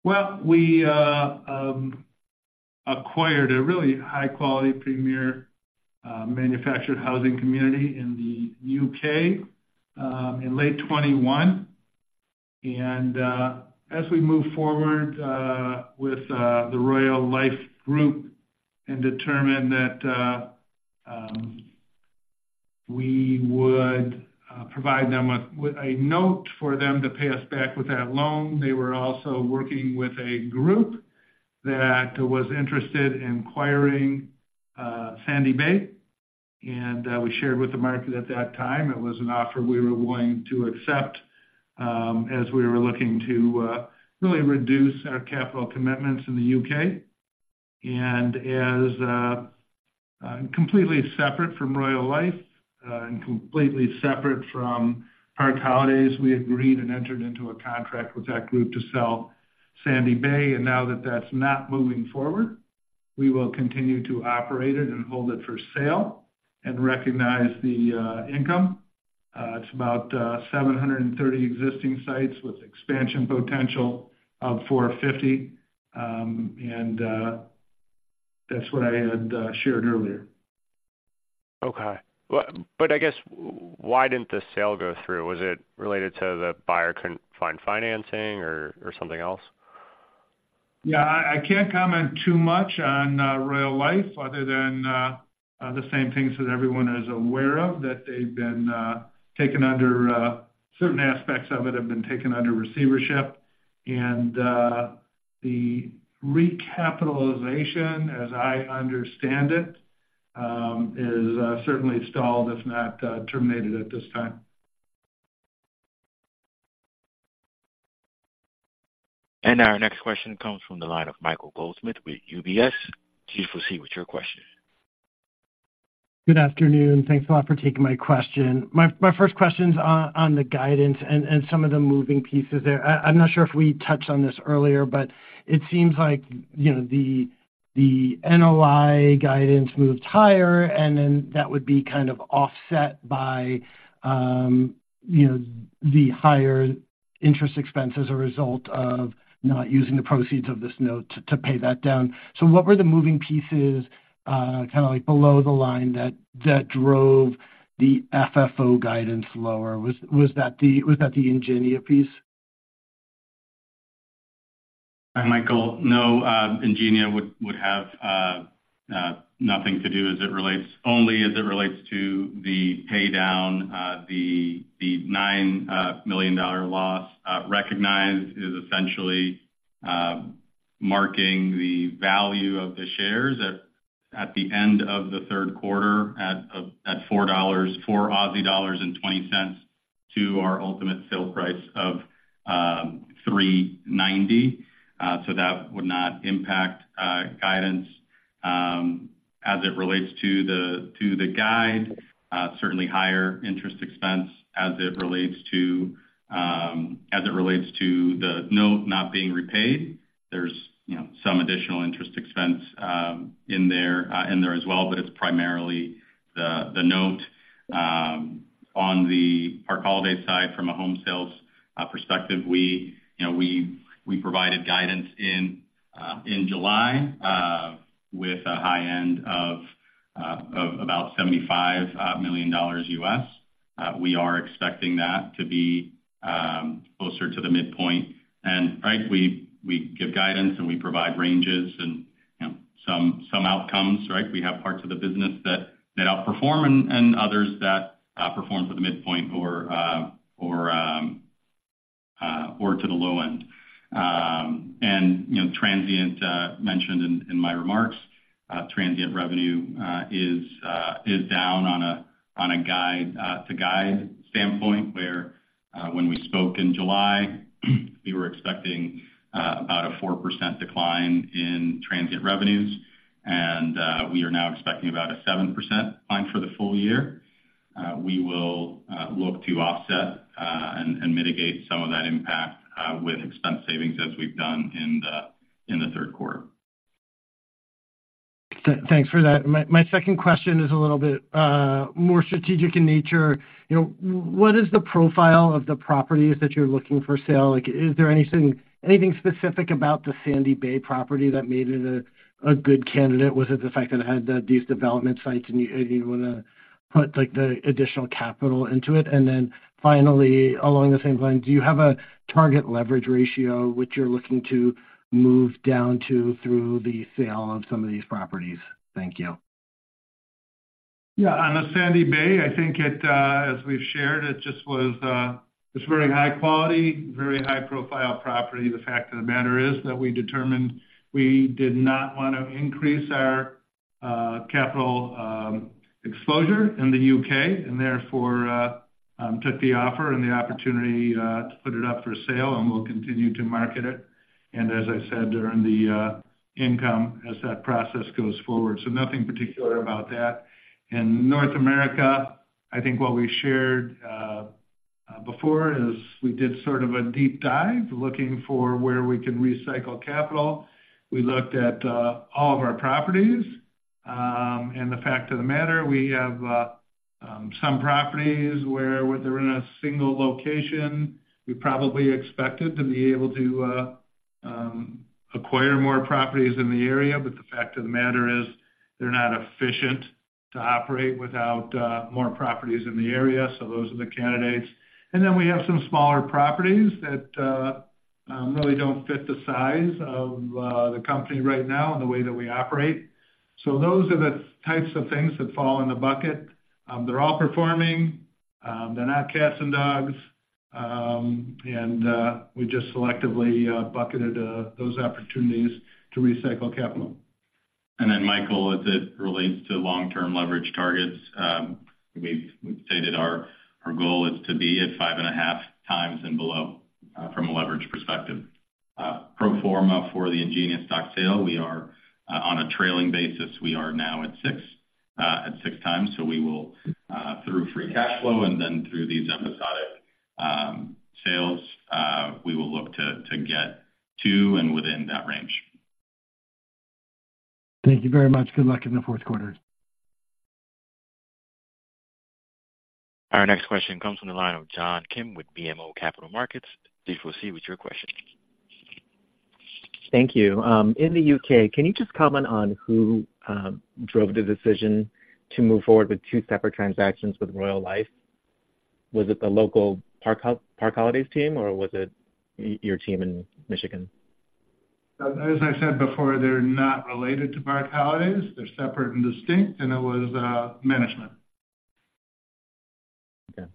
Well, we acquired a really high-quality, premier, manufactured housing community in the U.K., in late 2021. As we moved forward with the RoyaleLife Group and determined that we would provide them with a note for them to pay us back with that loan. They were also working with a group that was interested in acquiring Sandy Bay, and we shared with the market at that time it was an offer we were willing to accept, as we were looking to really reduce our capital commitments in the U.K. As completely separate from RoyaleLife, and completely separate from Park Holidays, we agreed and entered into a contract with that group to sell Sandy Bay. And now that that's not moving forward, we will continue to operate it and hold it for sale and recognize the income. It's about 730 existing sites with expansion potential of 450. And that's what I had shared earlier. Okay. But I guess why didn't the sale go through? Was it related to the buyer couldn't find financing or something else? Yeah, I can't comment too much on RoyaleLife other than the same things that everyone is aware of, that they've been taken under, certain aspects of it have been taken under receivership. And the recapitalization, as I understand it, is certainly stalled, if not terminated at this time. Our next question comes from the line of Michael Goldsmith with UBS. Please proceed with your question. Good afternoon. Thanks a lot for taking my question. My first question's on the guidance and some of the moving pieces there. I'm not sure if we touched on this earlier, but it seems like, you know, the NOI guidance moved higher, and then that would be kind of offset by, you know, the higher interest expense as a result of not using the proceeds of this note to pay that down. So what were the moving pieces, kinda like below the line, that drove the FFO guidance lower? Was that the, was that the Ingenia piece? Hi, Michael. No, Ingenia would have nothing to do as it relates, only as it relates to the paydown. The $9 million loss recognized is essentially marking the value of the shares at the end of the third quarter at 4.20 dollars to our ultimate sale price of 3.90. So that would not impact guidance as it relates to the guide. Certainly higher interest expense as it relates to the note not being repaid. There's, you know, some additional interest expense in there as well, but it's primarily the note. On the Park Holidays side, from a home sales perspective, we, you know, we, we provided guidance in, in July, with a high end of about $75 million. We are expecting that to be closer to the midpoint. And right, we, we give guidance, and we provide ranges and, you know, some, some outcomes, right? We have parts of the business that, that outperform and, and others that perform for the midpoint or, or, or to the low end. And, you know, transient mentioned in my remarks, transient revenue is down on a guide to guide standpoint, where, when we spoke in July, we were expecting about a 4% decline in transient revenues, and we are now expecting about a 7% decline for the full year. We will look to offset and mitigate some of that impact with expense savings, as we've done in the third quarter. Thanks for that. My second question is a little bit more strategic in nature. You know, what is the profile of the properties that you're looking for sale? Like, is there anything, anything specific about the Sandy Bay property that made it a good candidate? Was it the fact that it had these development sites, and you, and you wanna put, like, the additional capital into it? And then finally, along the same line, do you have a target leverage ratio, which you're looking to move down to through the sale of some of these properties? Thank you. Yeah, on the Sandy Bay, I think it, as we've shared, it just was, this very high quality, very high-profile property. The fact of the matter is that we determined we did not want to increase our, capital, exposure in the U.K., and therefore, took the offer and the opportunity, to put it up for sale, and we'll continue to market it. And as I said, earn the, income as that process goes forward. So nothing particular about that. In North America, I think what we shared, before is we did sort of a deep dive, looking for where we could recycle capital. We looked at, all of our properties. And the fact of the matter, we have some properties where they're in a single location, we probably expected to be able to acquire more properties in the area, but the fact of the matter is, they're not efficient to operate without more properties in the area, so those are the candidates. And then we have some smaller properties that really don't fit the size of the company right now and the way that we operate. So those are the types of things that fall in the bucket. They're all performing, they're not cats and dogs, and we just selectively bucketed those opportunities to recycle capital. Michael, as it relates to long-term leverage targets, we've stated our goal is to be at 5.5x and below from a leverage perspective. Pro forma for the Ingenia stock sale, we are on a trailing basis, we are now at 6x, so we will, through free cash flow and then through these episodic sales, we will look to get to and within that range. Thank you very much. Good luck in the fourth quarter. Our next question comes from the line of John Kim with BMO Capital Markets. Please proceed with your question. Thank you. In the U.K., can you just comment on who drove the decision to move forward with two separate transactions with RoyaleLife? Was it the local Park Holidays team, or was it your team in Michigan? As I said before, they're not related to Park Holidays. They're separate and distinct, and it was, management. Okay.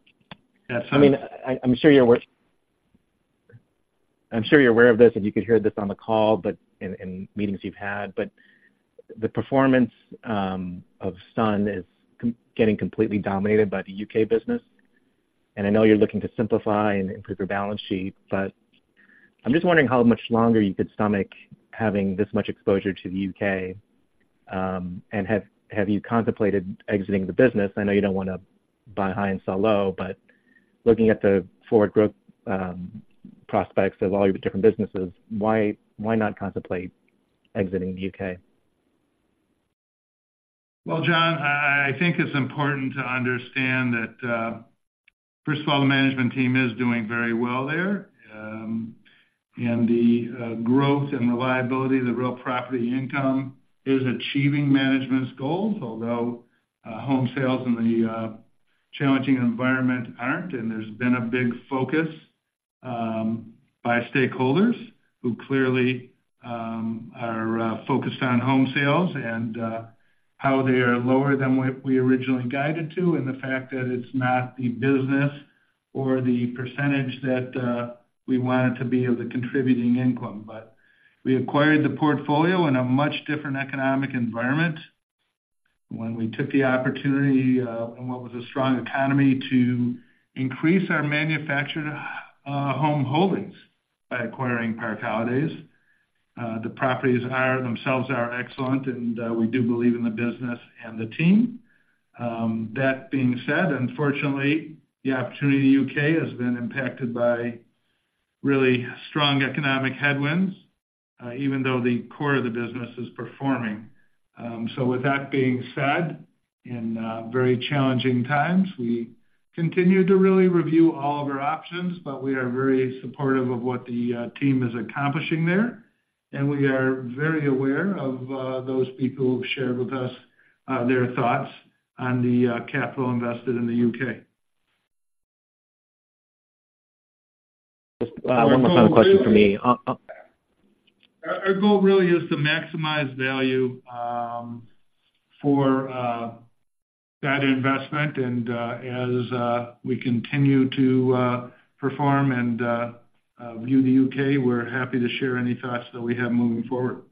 Yes, so. I mean, I'm sure you're aware. I'm sure you're aware of this, and you could hear this on the call, but in meetings you've had, but the performance of Sun is completely dominated by the U.K. business. And I know you're looking to simplify and improve your balance sheet, but I'm just wondering how much longer you could stomach having this much exposure to the U.K., and have you contemplated exiting the business? I know you don't want to buy high and sell low, but looking at the forward growth prospects of all your different businesses, why not contemplate exiting the U.K.? Well, John, I think it's important to understand that, first of all, the management team is doing very well there. And the growth and the liability, the real property income, is achieving management's goals, although home sales in the challenging environment aren't, and there's been a big focus by stakeholders who clearly are focused on home sales and how they are lower than what we originally guided to, and the fact that it's not the business or the percentage that we want it to be of the contributing income. But we acquired the portfolio in a much different economic environment when we took the opportunity, in what was a strong economy, to increase our manufactured home holdings by acquiring Park Holidays. The properties themselves are excellent, and we do believe in the business and the team. That being said, unfortunately, the opportunity in the U.K. has been impacted by really strong economic headwinds, even though the core of the business is performing. So with that being said, in very challenging times, we continue to really review all of our options, but we are very supportive of what the team is accomplishing there, and we are very aware of those people who've shared with us their thoughts on the capital invested in the U.K. Just, one more final question for me. Our goal really is to maximize value for that investment, and as we continue to perform and view the U.K., we're happy to share any thoughts that we have moving forward.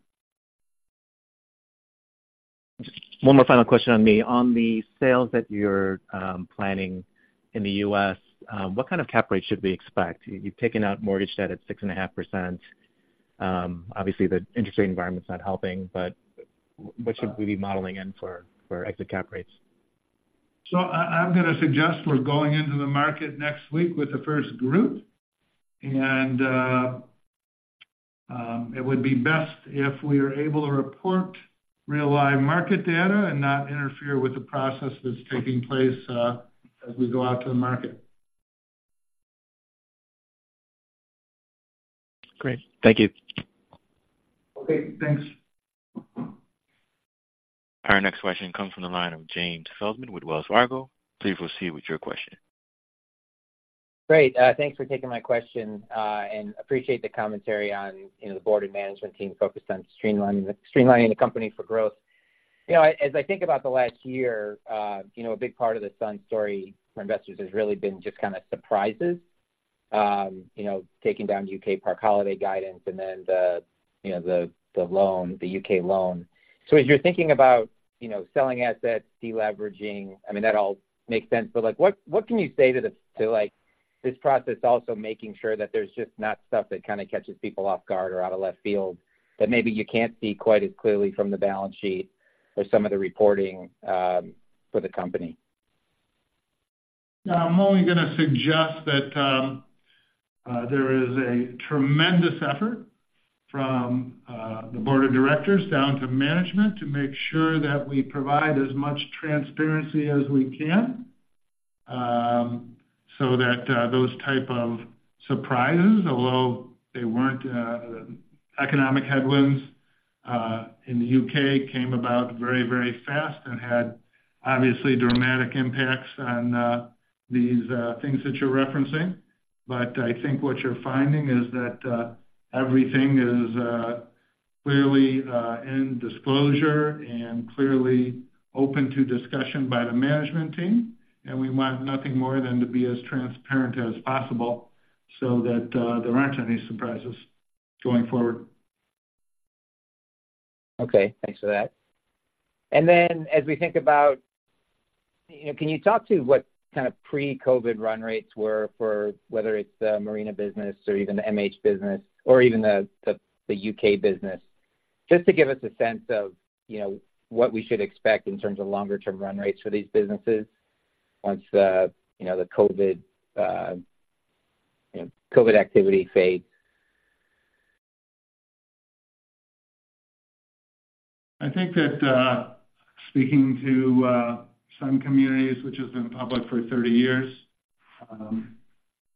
One more final question on me. On the sales that you're planning in the U.S., what kind of cap rate should we expect? You've taken out mortgage debt at 6.5%. Obviously, the interest rate environment's not helping, but what should we be modeling in for, for exit cap rates? So I, I'm gonna suggest we're going into the market next week with the first group, and it would be best if we are able to report real-time market data and not interfere with the process that's taking place, as we go out to the market. Great. Thank you. Okay, thanks. Our next question comes from the line of James Feldman with Wells Fargo. Please proceed with your question. Great. Thanks for taking my question, and appreciate the commentary on, you know, the board and management team focused on streamlining the company for growth. You know, as I think about the last year, you know, a big part of the Sun story for investors has really been just kind of surprises. You know, taking down Park Holidays UK guidance and then the, you know, the loan, the U.K. loan. So as you're thinking about, you know, selling assets, deleveraging, I mean, that all makes sense. But like, what can you say to the, to, like, this process also making sure that there's just not stuff that kind of catches people off guard or out of left field, that maybe you can't see quite as clearly from the balance sheet or some of the reporting, for the company? I'm only going to suggest that there is a tremendous effort from the Board of Directors down to management to make sure that we provide as much transparency as we can, so that those type of surprises, although they weren't, economic headwinds in the U.K., came about very, very fast and had obviously dramatic impacts on these things that you're referencing. But I think what you're finding is that everything is clearly in disclosure and clearly open to discussion by the management team, and we want nothing more than to be as transparent as possible so that there aren't any surprises going forward. Okay, thanks for that. And then as we think about, you know, can you talk to what kind of pre-COVID run rates were for, whether it's the marina business or even the MH business or even the U.K. business, just to give us a sense of, you know, what we should expect in terms of longer-term run rates for these businesses once the, you know, the COVID, you know, COVID activity fades? I think that, speaking to Sun Communities which has been public for 30 years,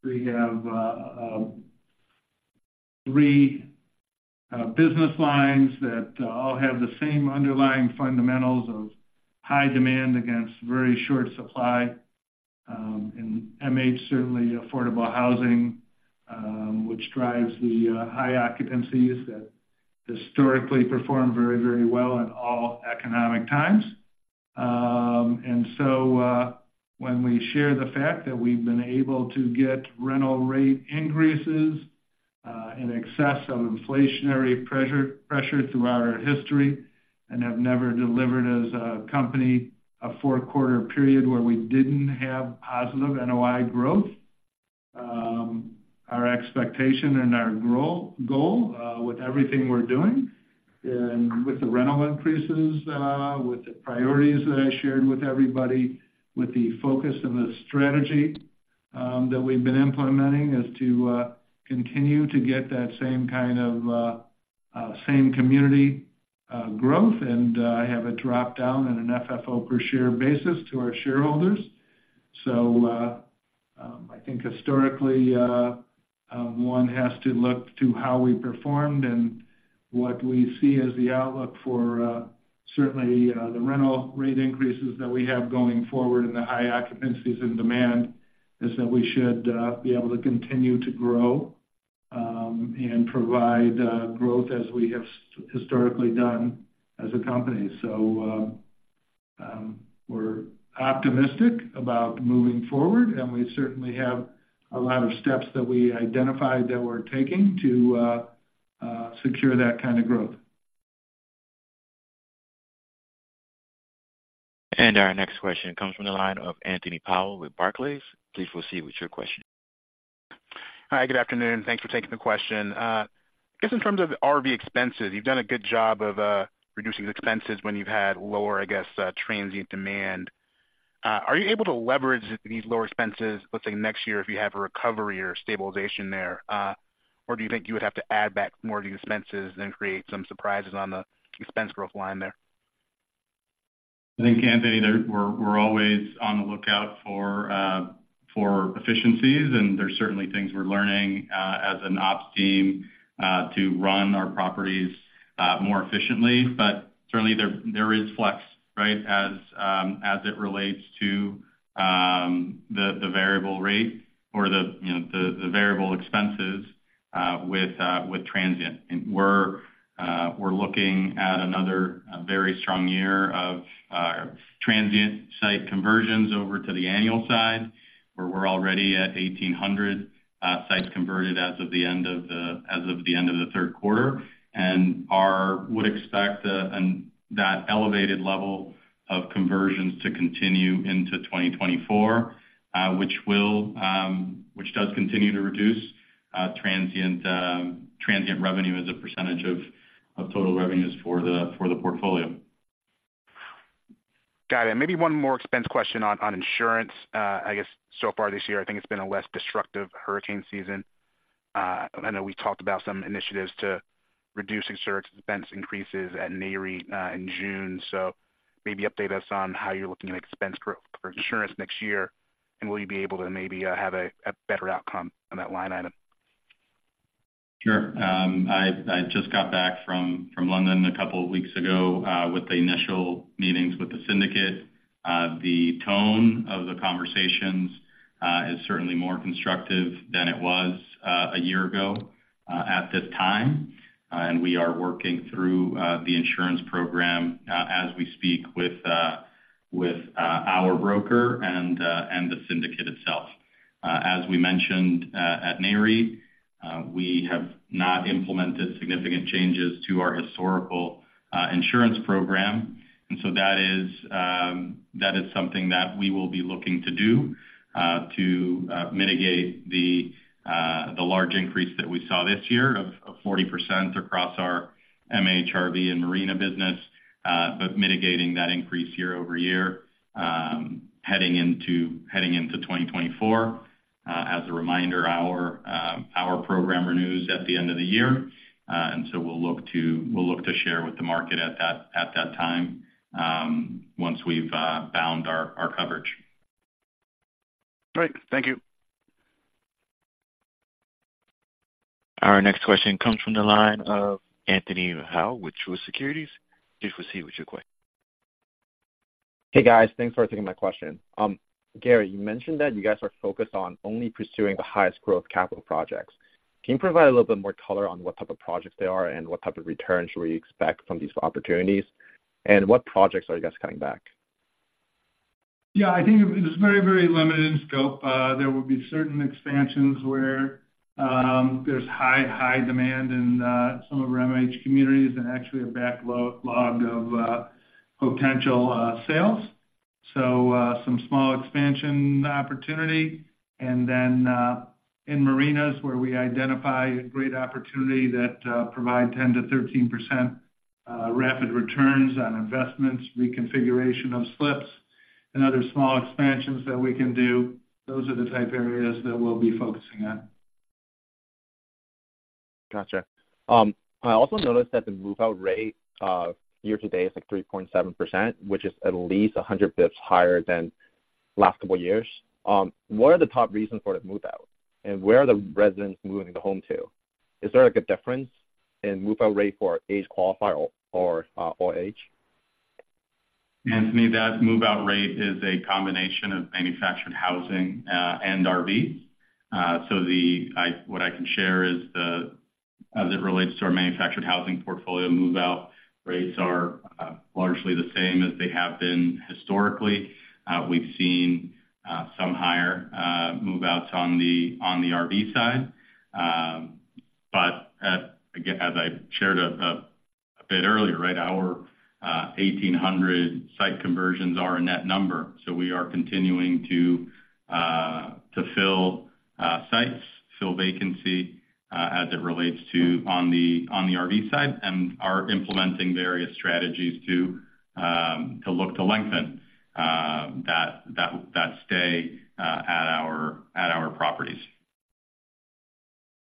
we have three business lines that all have the same underlying fundamentals of high demand against very short supply. MH, certainly affordable housing, which drives the high occupancies that historically perform very, very well in all economic times. And so, when we share the fact that we've been able to get rental rate increases in excess of inflationary pressure through our history and have never delivered as a company, a four-quarter period where we didn't have positive NOI growth, our expectation and our goal with everything we're doing, and with the rental increases, with the priorities that I shared with everybody, with the focus and the strategy that we've been implementing, is to continue to get that same kind of same community growth, and have it drop down on an FFO per share basis to our shareholders. I think historically, one has to look to how we performed and what we see as the outlook for certainly the rental rate increases that we have going forward and the high occupancies and demand is that we should be able to continue to grow and provide growth as we have historically done as a company. We're optimistic about moving forward, and we certainly have a lot of steps that we identified that we're taking to secure that kind of growth. Our next question comes from the line of Anthony Powell with Barclays. Please proceed with your question. Hi, good afternoon. Thanks for taking the question. I guess in terms of RV expenses, you've done a good job of reducing the expenses when you've had lower, I guess, transient demand. Are you able to leverage these lower expenses, let's say, next year, if you have a recovery or stabilization there? Or do you think you would have to add back more of these expenses than create some surprises on the expense growth line there? I think, Anthony, we're always on the lookout for efficiencies, and there's certainly things we're learning as an ops team to run our properties more efficiently. But certainly, there is flex, right? As it relates to the variable rate or the, you know, the variable expenses with transient. And we're looking at another very strong year of transient site conversions over to the annual side, where we're already at 1,800 sites converted as of the end of the third quarter. And we would expect that elevated level of conversions to continue into 2024, which does continue to reduce transient revenue as a percentage of total revenues for the portfolio. Got it. Maybe one more expense question on insurance. I guess so far this year, I think it's been a less destructive hurricane season. I know we talked about some initiatives to reduce insurance expense increases at Nareit in June. So maybe update us on how you're looking at expense growth for insurance next year, and will you be able to maybe have a better outcome on that line item? Sure. I just got back from London a couple of weeks ago with the initial meetings with the syndicate. The tone of the conversations is certainly more constructive than it was a year ago at this time, and we are working through the insurance program as we speak with our broker and the syndicate itself. As we mentioned at Nareit, we have not implemented significant changes to our historical insurance program. And so that is something that we will be looking to do to mitigate the large increase that we saw this year of 40% across our MH, RV, and marina business, but mitigating that increase year-over-year heading into 2024. As a reminder, our program renews at the end of the year, and so we'll look to share with the market at that time, once we've bound our coverage. Great. Thank you. Our next question comes from the line of Anthony Hau with Truist Securities. Please proceed with your question. Hey, guys. Thanks for taking my question. Gary, you mentioned that you guys are focused on only pursuing the highest growth capital projects. Can you provide a little bit more color on what type of projects they are and what type of returns should we expect from these opportunities? And what projects are you guys cutting back? Yeah, I think it's very, very limited in scope. There will be certain expansions where, there's high, high demand in, some of our MH communities and actually a backlog of, potential, sales. So, some small expansion opportunity. And then, in marinas, where we identify a great opportunity that, provide 10%-13% rapid returns on investments, reconfiguration of slips, and other small expansions that we can do, those are the type of areas that we'll be focusing on. Gotcha. I also noticed that the move-out rate year to date is, like, 3.7%, which is at least 100 basis points higher than last couple of years. What are the top reasons for the move-out, and where are the residents moving the home to? Is there, like, a difference in move-out rate for age qualifier or, or age? Anthony, that move-out rate is a combination of manufactured housing and RVs. So what I can share is, as it relates to our manufactured housing portfolio, move-out rates are largely the same as they have been historically. We've seen some higher move-outs on the RV side. But again, as I shared a bit earlier, right, our 1,800 site conversions are a net number, so we are continuing to fill sites, fill vacancy, as it relates to the RV side, and are implementing various strategies to look to lengthen that stay at our properties.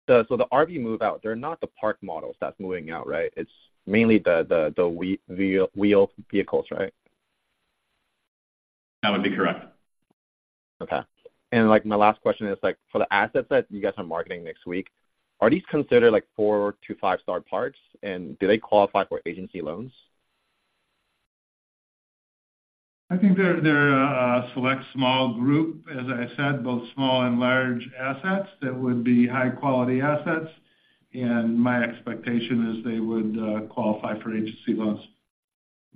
So the RV move-out, they're not the park models that's moving out, right? It's mainly the wheeled vehicles, right? That would be correct. Okay. Like, my last question is, like, for the asset set you guys are marketing next week, are these considered, like, 4- to 5-star parks, and do they qualify for agency loans? I think they're a select small group, as I said, both small and large assets that would be high-quality assets, and my expectation is they would qualify for agency loans.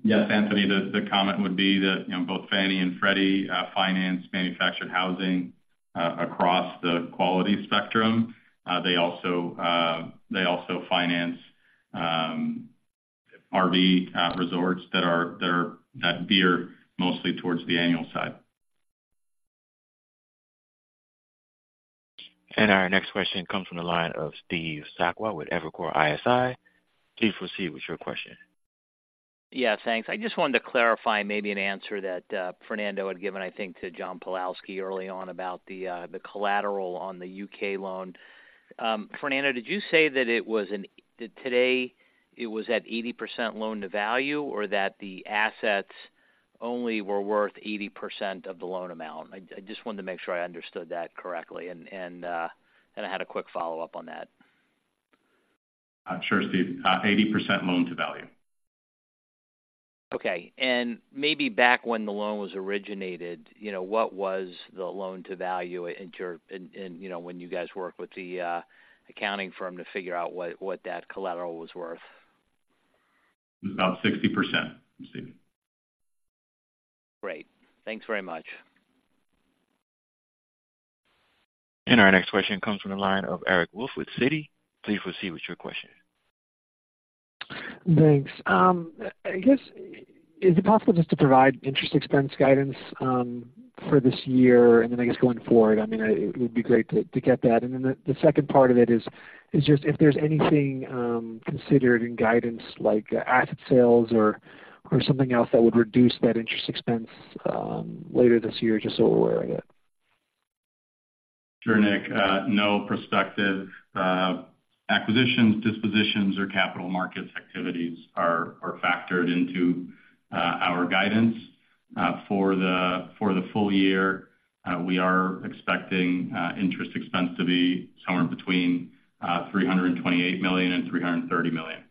Yes, Anthony, the comment would be that both Fannie and Freddie finance manufactured housing across the quality spectrum. They also finance RV resorts that veer mostly towards the annual side. Our next question comes from the line of Steve Sakwa with Evercore ISI. Please proceed with your question. Yeah, thanks. I just wanted to clarify maybe an answer that Fernando had given, I think, to John Pawlowski early on about the collateral on the U.K. loan. Fernando, did you say that today it was at 80% loan-to-value, or that the assets only were worth 80% of the loan amount? I just wanted to make sure I understood that correctly, and I had a quick follow-up on that. Sure, Steve. 80% loan to value. Okay. And maybe back when the loan was originated, you know, what was the loan-to-value into your, and you know, when you guys worked with the accounting firm to figure out what that collateral was worth? It was about 60%, Steve. Great. Thanks very much. Our next question comes from the line of Eric Wolfe with Citi. Please proceed with your question. Thanks. I guess, is it possible just to provide interest expense guidance, for this year, and then I guess going forward? I mean, it would be great to get that. And then the second part of it is just if there's anything considered in guidance, like asset sales or something else that would reduce that interest expense, later this year, just so we're aware of it. Sure, Nick. No prospective acquisitions, dispositions, or capital markets activities are factored into our guidance. For the full year, we are expecting interest expense to be somewhere between $328 million and $330 million.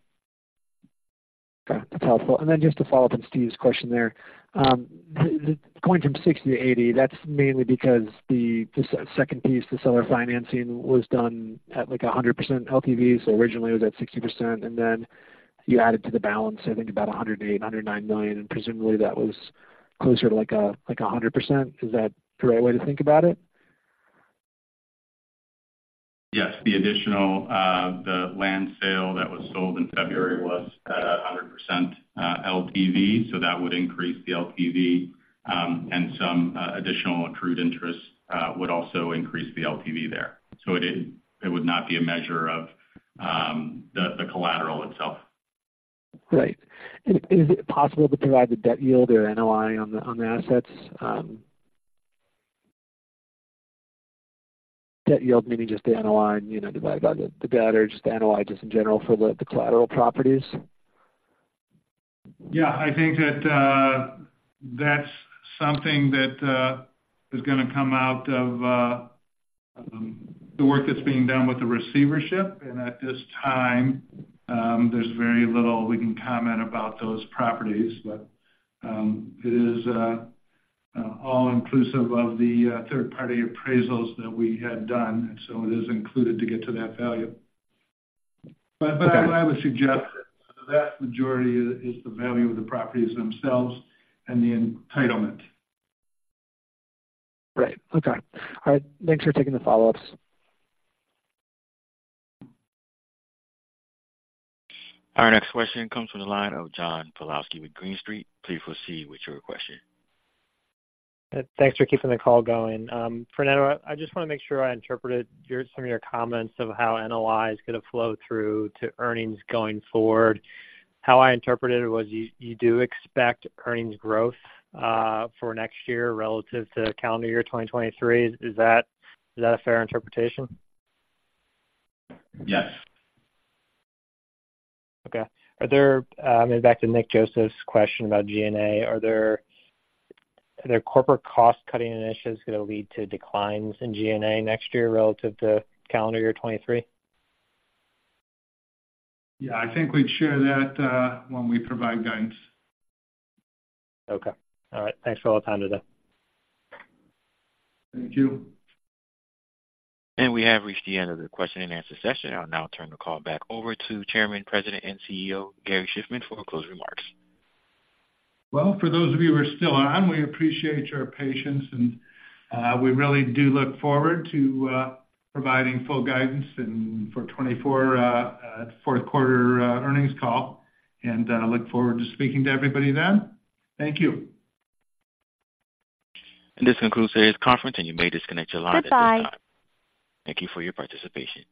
Okay, that's helpful. And then just to follow up on Steve's question there, the, going from 60% to 80%, that's mainly because the second piece, the seller financing, was done at, like, 100% LTV, so originally it was at 60%. And then you added to the balance, I think, about $108 million-$109 million, and presumably that was closer to, like, 100%. Is that the right way to think about it? Yes, the additional, the land sale that was sold in February was at 100% LTV, so that would increase the LTV, and some additional accrued interest would also increase the LTV there. So it did. It would not be a measure of the collateral itself. Right. And is it possible to provide the debt yield or NOI on the assets? Debt yield, meaning just the NOI, you know, divided by the debt or just the NOI, just in general for the collateral properties. Yeah, I think that that's something that is gonna come out of the work that's being done with the receivership. And at this time, there's very little we can comment about those properties. But it is all inclusive of the third-party appraisals that we had done, and so it is included to get to that value. Okay. But, I would suggest that the vast majority is the value of the properties themselves and the entitlement. Right. Okay. All right. Thanks for taking the follow-ups. Our next question comes from the line of John Pawlowski with Green Street. Please proceed with your question. Thanks for keeping the call going. Fernando, I just wanna make sure I interpreted your some of your comments of how NOI is gonna flow through to earnings going forward. How I interpreted it was you do expect earnings growth for next year relative to calendar year 2023. Is that a fair interpretation? Yes. Okay. Are there, and back to Nick Joseph's question about G&A. Are there, are there corporate cost-cutting initiatives going to lead to declines in G&A next year relative to calendar year 2023? Yeah, I think we'd share that, when we provide guidance. Okay. All right. Thanks for all the time today. Thank you. We have reached the end of the question and answer session. I'll now turn the call back over to Chairman, President, and CEO Gary Shiffman for closing remarks. Well, for those of you who are still on, we appreciate your patience, and we really do look forward to providing full guidance for 2024 fourth quarter earnings call, and look forward to speaking to everybody then. Thank you. This concludes today's conference, and you may disconnect your line at this time. Thank you for your participation.